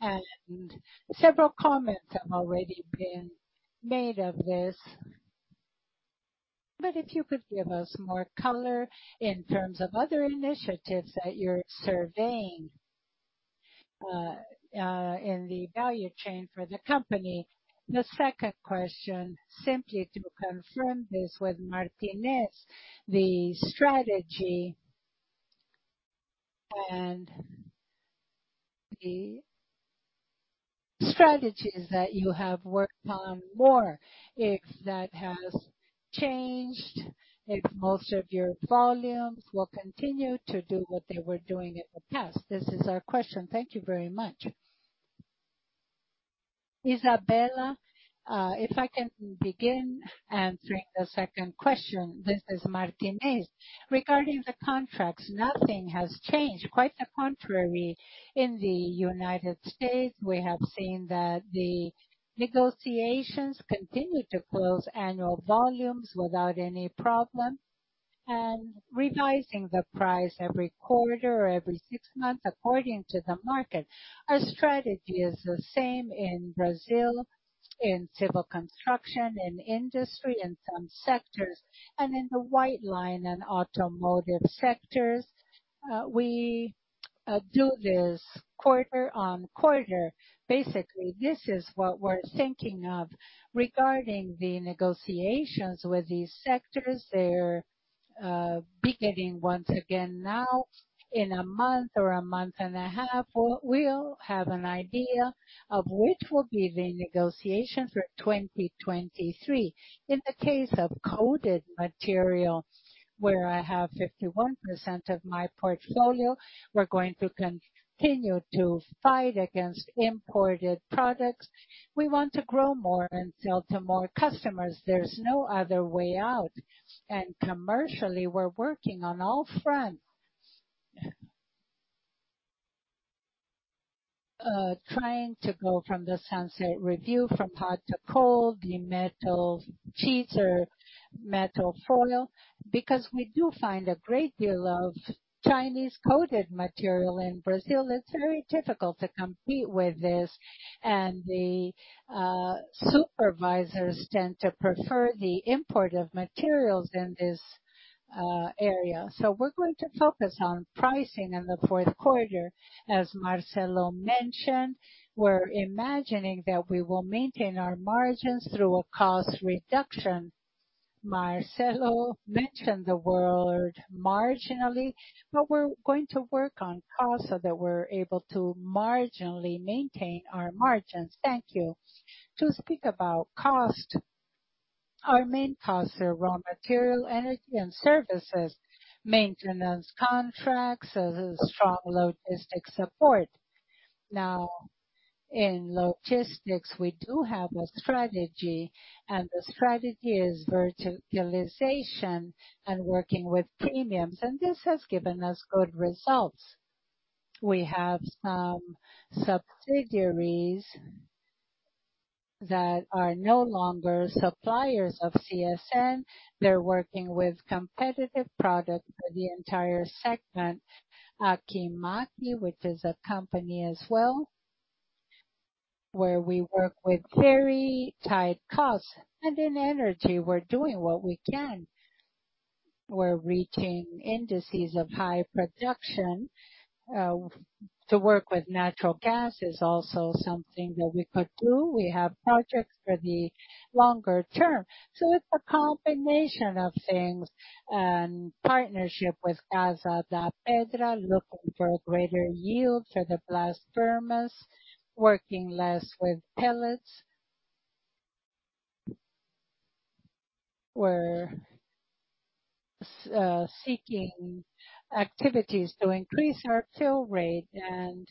S11: and several comments have already been made of this. But if you could give us more color in terms of other initiatives that you're surveying, in the value chain for the company. The second question, simply to confirm this with Martinez, the strategy and the strategies that you have worked on more, if that has changed, if most of your volumes will continue to do what they were doing in the past. This is our question. Thank you very much.
S5: Isabella, if I can begin answering the second question. This is Martinez. Regarding the contracts, nothing has changed. Quite the contrary. In the United States, we have seen that the negotiations continue to close annual volumes without any problem and revising the price every quarter or every six months according to the market. Our strategy is the same in Brazil. In civil construction, in industry, in some sectors, and in the white line and automotive sectors, we do this quarter on quarter. Basically, this is what we're thinking of regarding the negotiations with these sectors. They're beginning once again now. In a month or a month and a half, we'll have an idea of which will be the negotiation for 2023. In the case of coated material, where I have 51% of my portfolio, we're going to continue to fight against imported products. We want to grow more and sell to more customers. There's no other way out, and commercially, we're working on all fronts. Trying to go from the sunset review from hot-rolled to cold-rolled, the metal sheets or metal foil, because we do find a great deal of Chinese-coated material in Brazil. It's very difficult to compete with this, and the supermarkets tend to prefer the import of materials in this area. We're going to focus on pricing in the fourth quarter. As Marcelo mentioned, we're imagining that we will maintain our margins through a cost reduction. Marcelo mentioned the word marginally, but we're going to work on costs so that we're able to marginally maintain our margins. Thank you.
S2: To speak about cost, our main costs are raw material, energy and services, maintenance contracts, and strong logistics support. Now, in logistics, we do have a strategy, and the strategy is verticalization and working with premiums, and this has given us good results. We have some subsidiaries that are no longer suppliers of CSN. They're working with competitive products for the entire segment. Akimaki, which is a company as well, where we work with very tight costs. In energy, we're doing what we can. We're reaching indices of high production. To work with natural gas is also something that we could do. We have projects for the longer term. It's a combination of things and partnership with Casa de Pedra, looking for a greater yield for the blast furnace, working less with pellets. We're seeking activities to increase our fill rate, and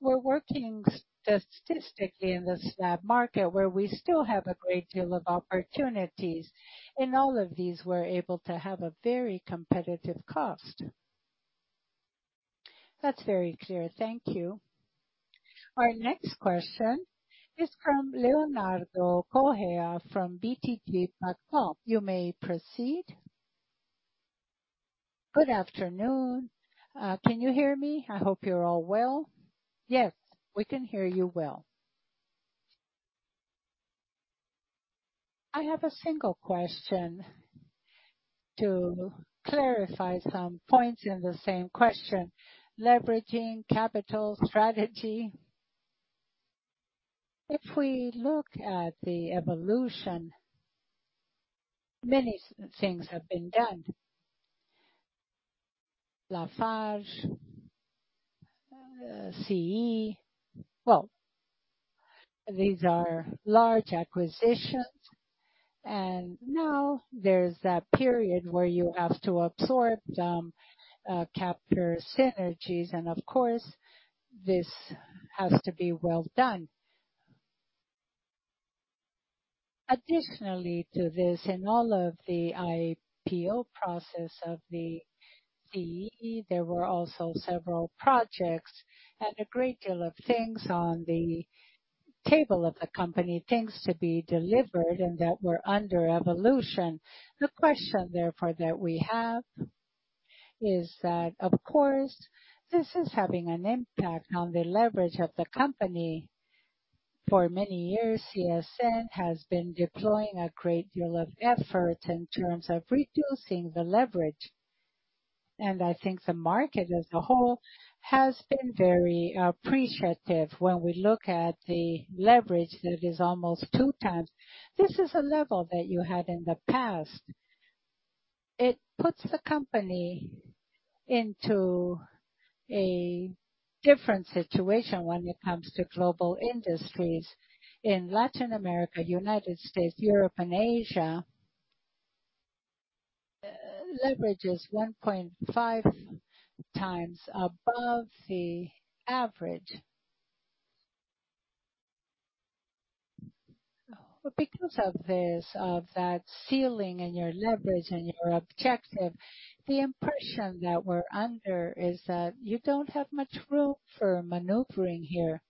S2: we're working strategically in the slab market, where we still have a great deal of opportunities. In all of these, we're able to have a very competitive cost.
S11: That's very clear. Thank you.
S1: Our next question is from Leonardo Correa from BTG Pactual. You may proceed.
S12: Good afternoon. Can you hear me? I hope you're all well.
S2: Yes, we can hear you well.
S12: I have a single question to clarify some points in the same question. Leveraging capital strategy.
S2: If we look at the evolution, many things have been done. LafargeHolcim, CEEE. Well, these are large acquisitions, and now there's that period where you have to absorb them, capture synergies, and of course, this has to be well done. Additionally to this, in all of the IPO process of the CEEE, there were also several projects and a great deal of things on the table of the company, things to be delivered and that were under evolution. The question therefore that we have is that, of course, this is having an impact on the leverage of the company. For many years, CSN has been deploying a great deal of effort in terms of reducing the leverage, and I think the market as a whole has been very appreciative when we look at the leverage that is almost 2 times. This is a level that you had in the past. It puts the company into a different situation when it comes to global industries. In Latin America, United States, Europe and Asia, leverage is 1.5 times above the average. Because of this, of that ceiling and your leverage and your objective, the impression that we're under is that you don't have much room for maneuvering here.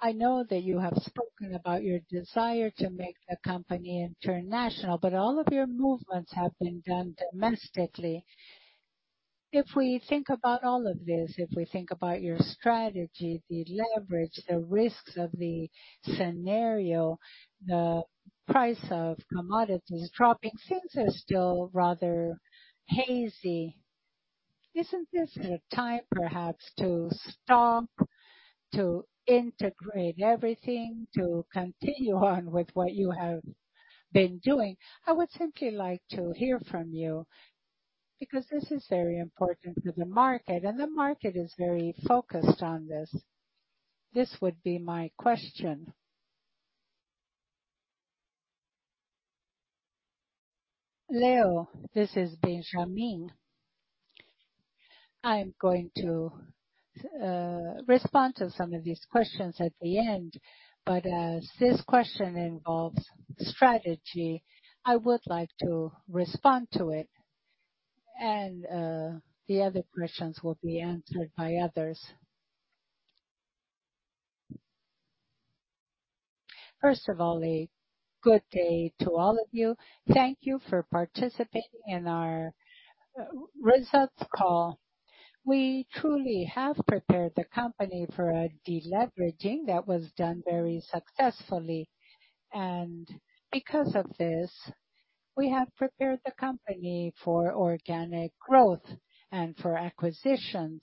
S12: I know that you have spoken about your desire to make the company international, but all of your movements have been done domestically. If we think about all of this, if we think about your strategy, the leverage, the risks of the scenario, the price of commodities dropping, things are still rather hazy. Isn't this a time perhaps to stop, to integrate everything, to continue on with what you have been doing? I would simply like to hear from you, because this is very important to the market, and the market is very focused on this. This would be my question.
S10: Leo, this is Benjamin. I'm going to respond to some of these questions at the end, but as this question involves strategy, I would like to respond to it. The other questions will be answered by others. First of all, a good day to all of you. Thank you for participating in our results call. We truly have prepared the company for a deleveraging that was done very successfully. Because of this, we have prepared the company for organic growth and for acquisitions.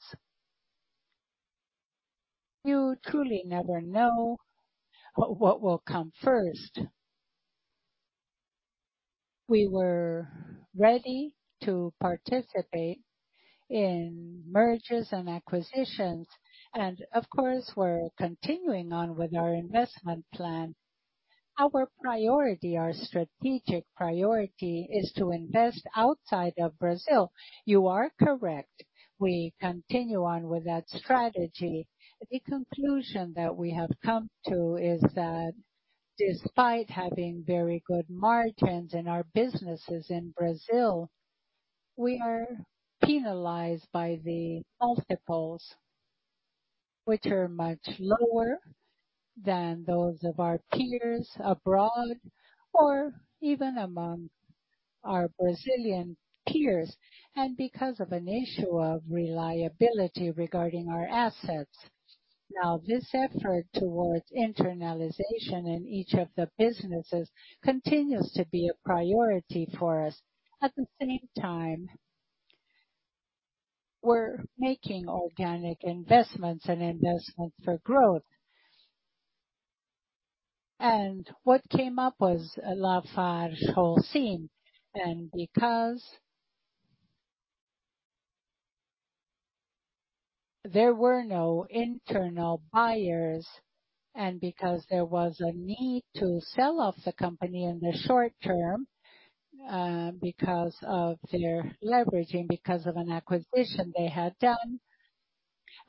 S10: You truly never know what will come first. We were ready to participate in mergers and acquisitions, and of course, we're continuing on with our investment plan. Our priority, our strategic priority is to invest outside of Brazil. You are correct. We continue on with that strategy. The conclusion that we have come to is that despite having very good margins in our businesses in Brazil, we are penalized by the multiples, which are much lower than those of our peers abroad or even among our Brazilian peers, and because of an issue of reliability regarding our assets. Now, this effort towards internalization in each of the businesses continues to be a priority for us. At the same time, we're making organic investments and investments for growth. What came up was LafargeHolcim. Because there were no internal buyers, and because there was a need to sell off the company in the short term, because of their leveraging, because of an acquisition they had done,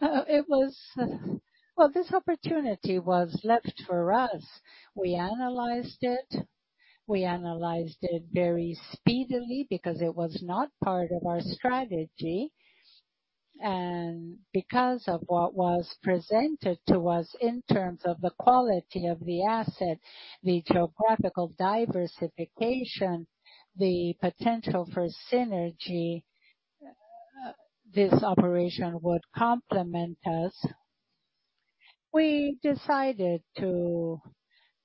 S10: it was. Well, this opportunity was left for us. We analyzed it very speedily because it was not part of our strategy. Because of what was presented to us in terms of the quality of the asset, the geographical diversification, the potential for synergy this operation would complement us, we decided to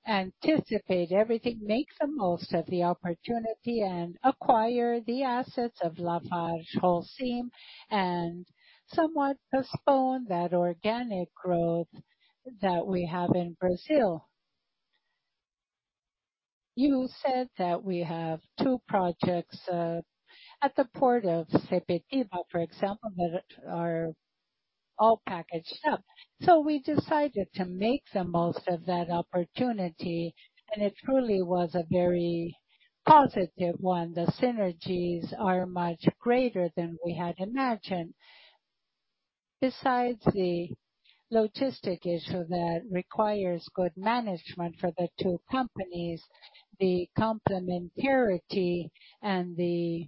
S10: anticipate everything, make the most of the opportunity, and acquire the assets of LafargeHolcim, and somewhat postpone that organic growth that we have in Brazil. You said that we have two projects at the port of Sepetiba, for example, that are all packaged up. We decided to make the most of that opportunity, and it truly was a very positive one. The synergies are much greater than we had imagined. Besides the logistic issue that requires good management for the two companies, the complementarity and the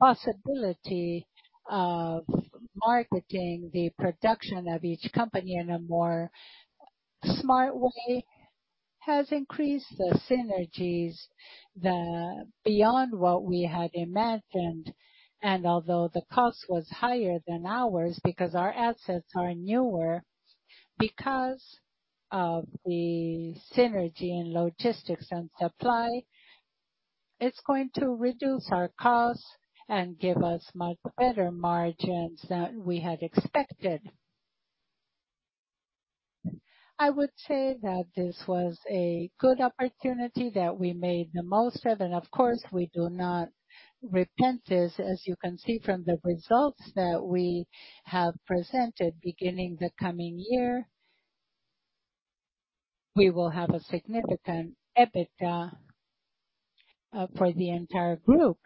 S10: possibility of marketing the production of each company in a more smart way has increased the synergies beyond what we had imagined. Although the cost was higher than ours because our assets are newer, because of the synergy in logistics and supply, it's going to reduce our costs and give us much better margins than we had expected. I would say that this was a good opportunity that we made the most of, and of course, we do not regret this. As you can see from the results that we have presented, beginning the coming year, we will have a significant EBITDA for the entire group.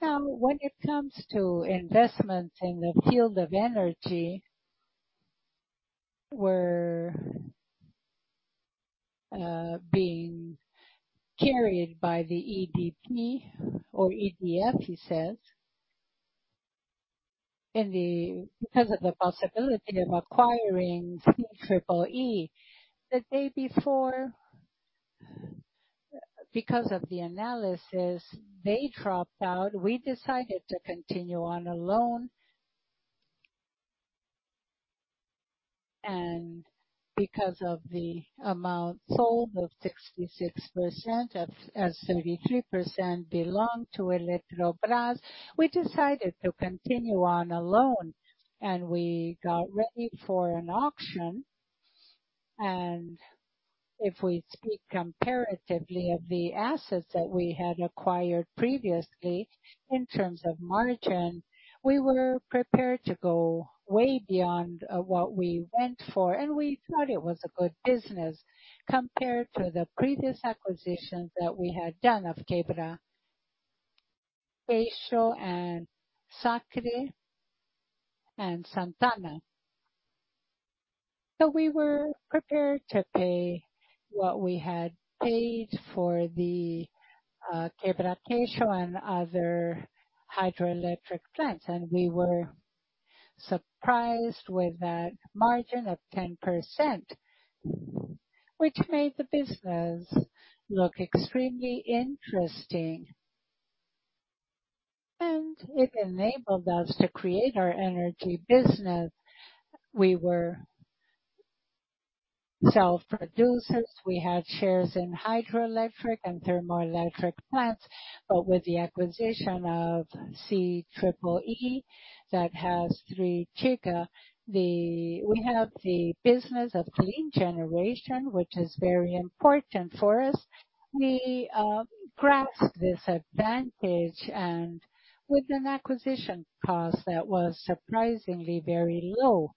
S10: Now, when it comes to investment in the field of energy, we're being carried by the EDP or EDF, you said. Because of the possibility of acquiring CEEE. The day before, because of the analysis they dropped out, we decided to continue alone. Because of the amount sold of 66%, as 33% belonged to Eletrobras, we decided to continue on a loan, and we got ready for an auction. If we speak comparatively of the assets that we had acquired previously in terms of margin, we were prepared to go way beyond what we went for, and we thought it was a good business compared to the previous acquisitions that we had done of Quebra-Queixo, Angra III, and Santana. We were prepared to pay what we had paid for the Quebra-Queixo and other hydroelectric plants. It enabled us to create our energy business. We were self-producers. We had shares in hydroelectric and thermoelectric plants, but with the acquisition of CEEE that has three GW, we have the business of clean generation, which is very important for us. We grasp this advantage and with an acquisition cost that was surprisingly very low.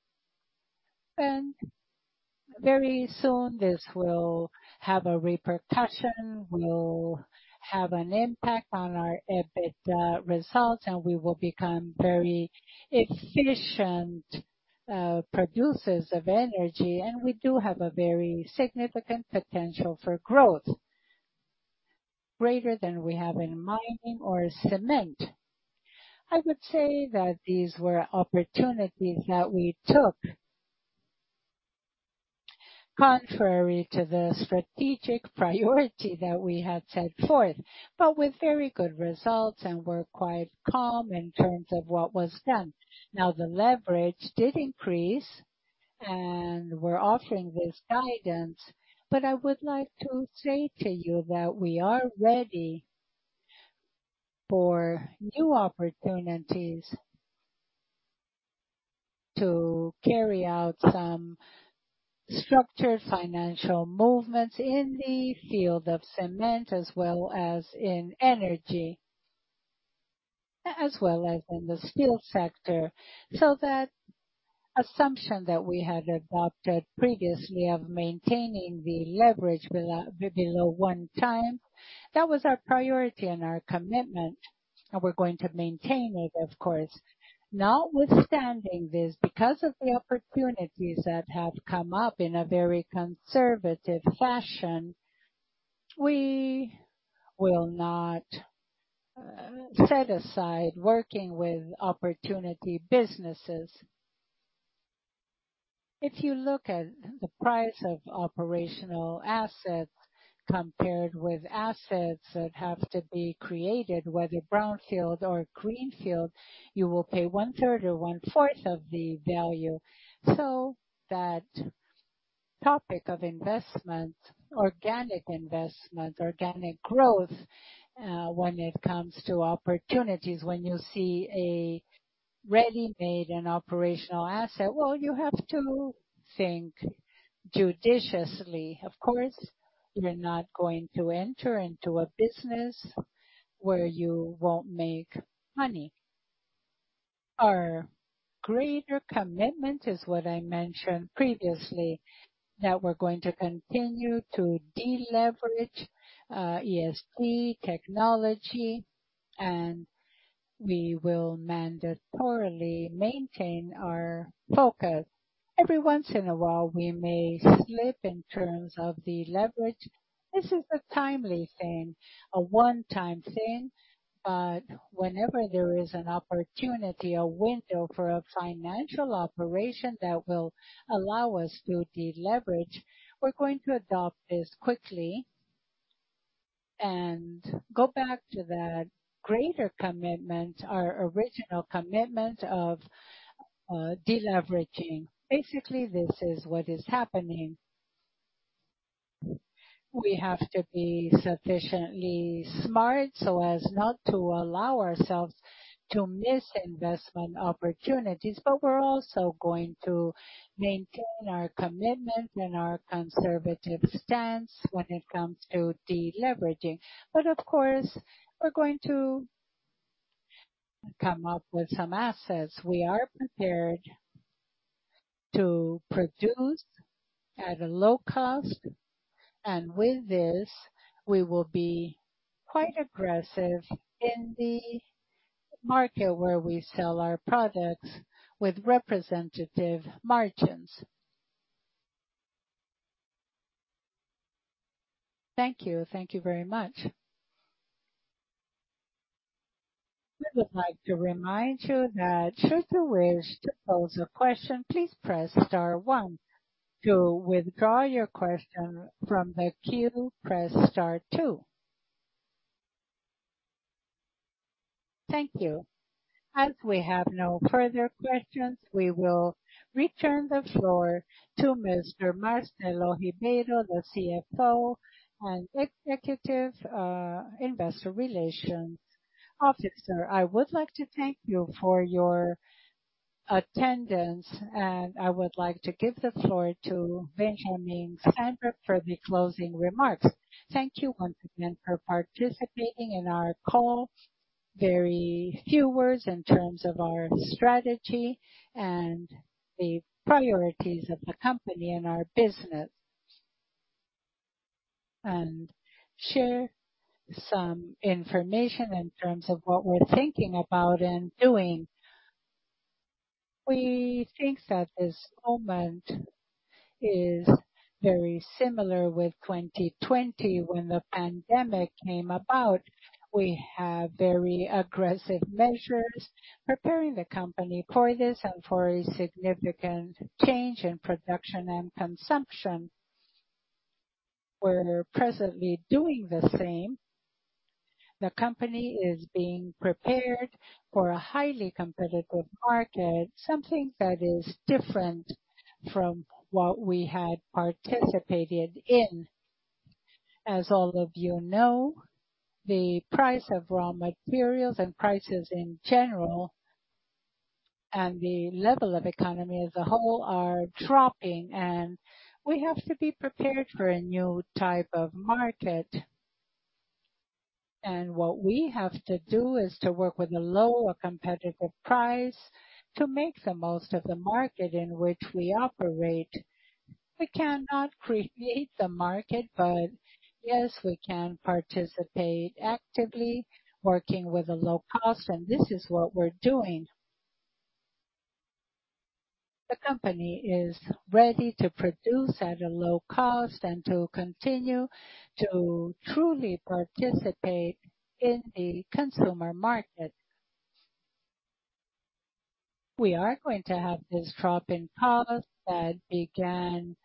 S10: Very soon this will have a repercussion, will have an impact on our EBIT results, and we will become very efficient producers of energy. We do have a very significant potential for growth greater than we have in mining or cement. I would say that these were opportunities that we took contrary to the strategic priority that we had set forth, but with very good results and we're quite calm in terms of what was done. Now, the leverage did increase and we're offering this guidance. I would like to say to you that we are ready for new opportunities to carry out some structured financial movements in the field of cement as well as in energy, as well as in the steel sector. That assumption that we had adopted previously of maintaining the leverage below 1x, that was our priority and our commitment, and we're going to maintain it, of course. Notwithstanding this, because of the opportunities that have come up in a very conservative fashion, we will not set aside working with opportunity businesses. If you look at the price of operational assets compared with assets that have to be created, whether brownfield or greenfield, you will pay one third or one fourth of the value. That topic of investment, organic investment, organic growth, when it comes to opportunities, when you see a ready-made and operational asset, well, you have to think judiciously. Of course, you're not going to enter into a business where you won't make money. Our greater commitment is what I mentioned previously, that we're going to continue to deleverage, ESG technology, and we will mandatorily maintain our focus. Every once in a while, we may slip in terms of the leverage. This is a timely thing, a one-time thing. Whenever there is an opportunity, a window for a financial operation that will allow us to deleverage, we're going to adopt this quickly and go back to that greater commitment, our original commitment of deleveraging. Basically, this is what is happening. We have to be sufficiently smart so as not to allow ourselves to miss investment opportunities. We're also going to maintain our commitment and our conservative stance when it comes to deleveraging. Of course, we're going to come up with some assets. We are prepared to produce at a low cost, and with this we will be quite aggressive in the market where we sell our products with representative margins.
S12: Thank you. Thank you very much.
S1: We would like to remind you that should you wish to pose a question, please press star one. To withdraw your question from the queue, press star two. Thank you. As we have no further questions, we will return the floor to Mr. Marcelo Cunha Ribeiro, the CFO and Investor Relations Executive Officer.
S2: I would like to thank you for your attendance, and I would like to give the floor to Benjamin Steinbruch for the closing remarks. Thank you once again for participating in our call.
S10: Very few words in terms of our strategy and the priorities of the company and our business. Share some information in terms of what we're thinking about and doing. We think that this moment is very similar to 2020, when the pandemic came about. We have very aggressive measures preparing the company for this and for a significant change in production and consumption. We're presently doing the same. The company is being prepared for a highly competitive market, something that is different from what we had participated in. As all of you know, the price of raw materials and prices in general, and the level of economy as a whole are dropping, and we have to be prepared for a new type of market. What we have to do is to work with a lower competitive price to make the most of the market in which we operate. We cannot create the market, but yes, we can participate actively working with a low cost, and this is what we're doing. The company is ready to produce at a low cost and to continue to truly participate in the consumer market. We are going to have this drop in cost that began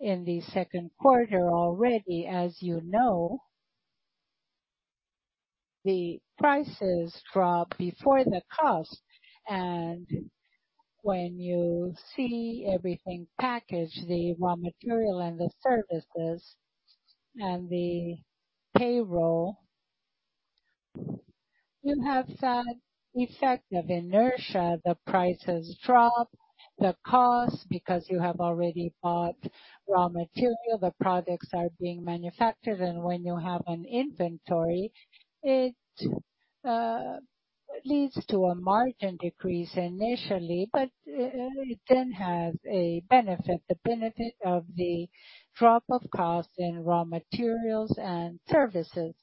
S10: in the second quarter already. As you know, the prices drop before the cost. When you see everything packaged, the raw material and the services and the payroll, you have that effect of inertia. The prices drop the cost because you have already bought raw material. The products are being manufactured, and when you have an inventory, it leads to a margin decrease initially, but it then has a benefit. The benefit of the drop of cost in raw materials and services.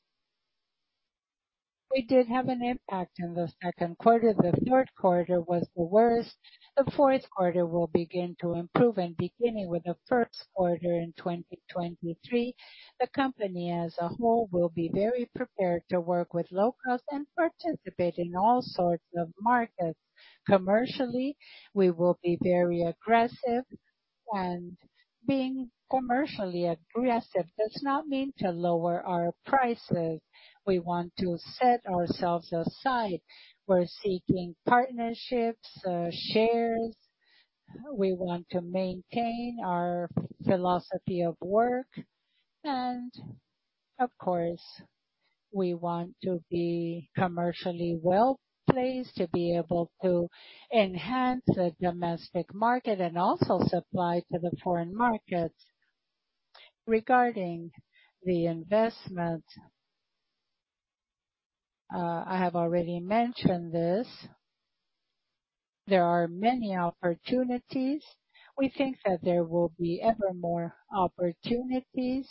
S10: It did have an impact in the second quarter. The third quarter was the worst. The fourth quarter will begin to improve, and beginning with the first quarter in 2023, the company as a whole will be very prepared to work with low cost and participate in all sorts of markets. Commercially, we will be very aggressive, and being commercially aggressive does not mean to lower our prices. We want to set ourselves aside. We're seeking partnerships, shares. We want to maintain our philosophy of work. Of course, we want to be commercially well-placed to be able to enhance the domestic market and also supply to the foreign market. Regarding the investment, I have already mentioned this. There are many opportunities. We think that there will be ever more opportunities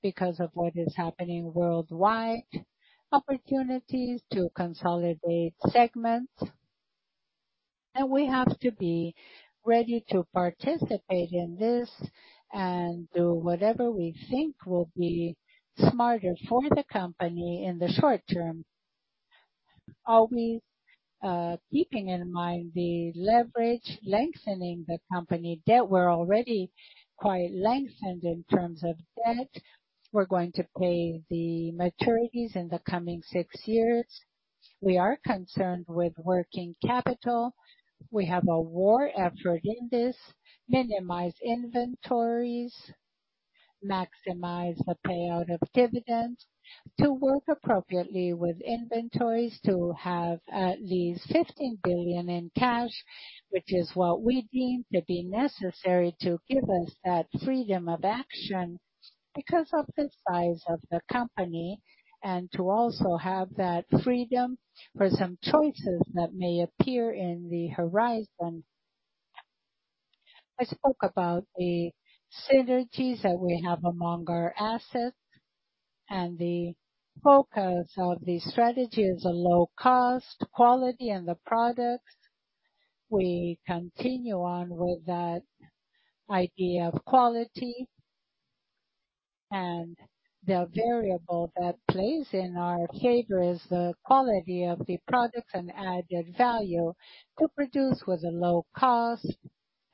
S10: because of what is happening worldwide, opportunities to consolidate segments. We have to be ready to participate in this and do whatever we think will be smarter for the company in the short term. Always keeping in mind the leverage lengthening the company debt, we're already quite lengthened in terms of debt. We're going to pay the maturities in the coming six years. We are concerned with working capital. We have a war effort in this. Minimize inventories, maximize the payout of dividends to work appropriately with inventories, to have at least 15 billion in cash, which is what we deem to be necessary to give us that freedom of action because of the size of the company, and to also have that freedom for some choices that may appear in the horizon. I spoke about the synergies that we have among our assets and the focus of the strategy is a low cost, quality and the product. We continue on with that idea of quality. The variable that plays in our favor is the quality of the products and added value. To produce with a low cost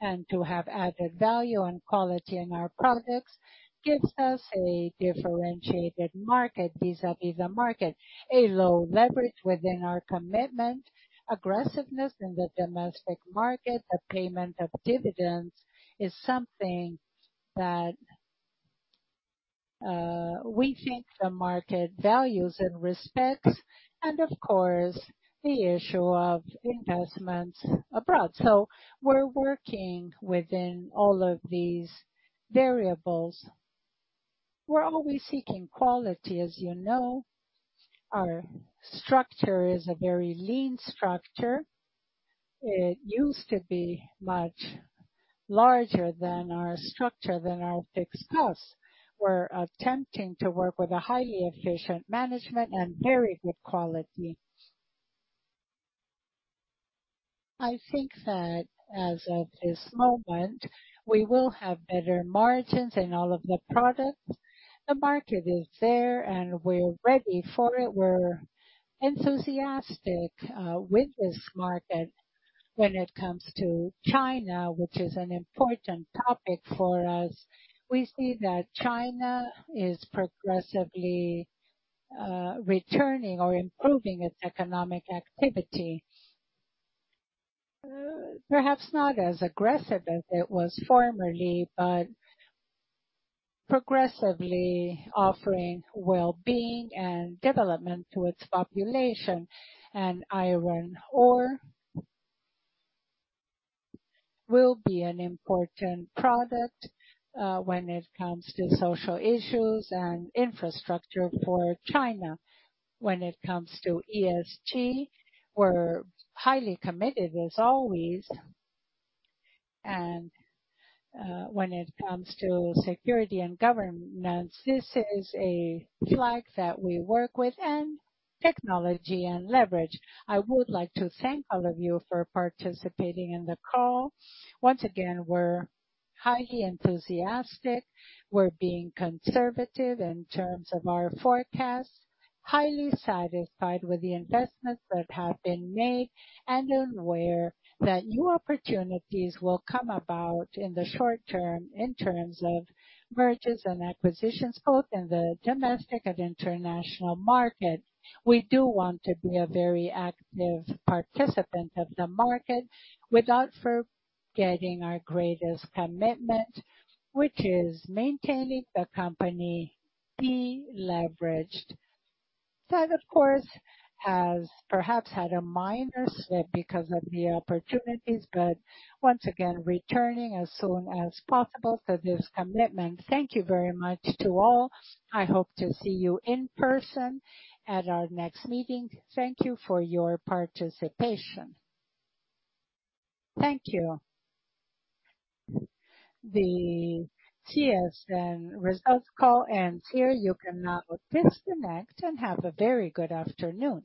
S10: and to have added value and quality in our products gives us a differentiated market, vis-à-vis the market. A low leverage within our commitment, aggressiveness in the domestic market, the payment of dividends is something that we think the market values and respects, and of course, the issue of investments abroad. We're working within all of these variables. We're always seeking quality. As you know, our structure is a very lean structure. It used to be much larger than our structure than our fixed costs. We're attempting to work with a highly efficient management and very good quality. I think that as of this moment, we will have better margins in all of the products. The market is there, and we're ready for it. We're enthusiastic with this market. When it comes to China, which is an important topic for us, we see that China is progressively returning or improving its economic activity. Perhaps not as aggressive as it was formerly, but progressively offering well-being and development to its population. Iron ore will be an important product when it comes to social issues and infrastructure for China. When it comes to ESG, we're highly committed as always. When it comes to security and governance, this is a flag that we work with, and technology and leverage. I would like to thank all of you for participating in the call. Once again, we're highly enthusiastic. We're being conservative in terms of our forecasts, highly satisfied with the investments that have been made, and aware that new opportunities will come about in the short term in terms of mergers and acquisitions, both in the domestic and international market. We do want to be a very active participant of the market without forgetting our greatest commitment, which is maintaining the company deleveraged. That, of course, has perhaps had a minor slip because of the opportunities, but once again, returning as soon as possible to this commitment. Thank you very much to all. I hope to see you in person at our next meeting. Thank you for your participation.
S1: Thank you. The CSN results call ends here. You can now disconnect and have a very good afternoon.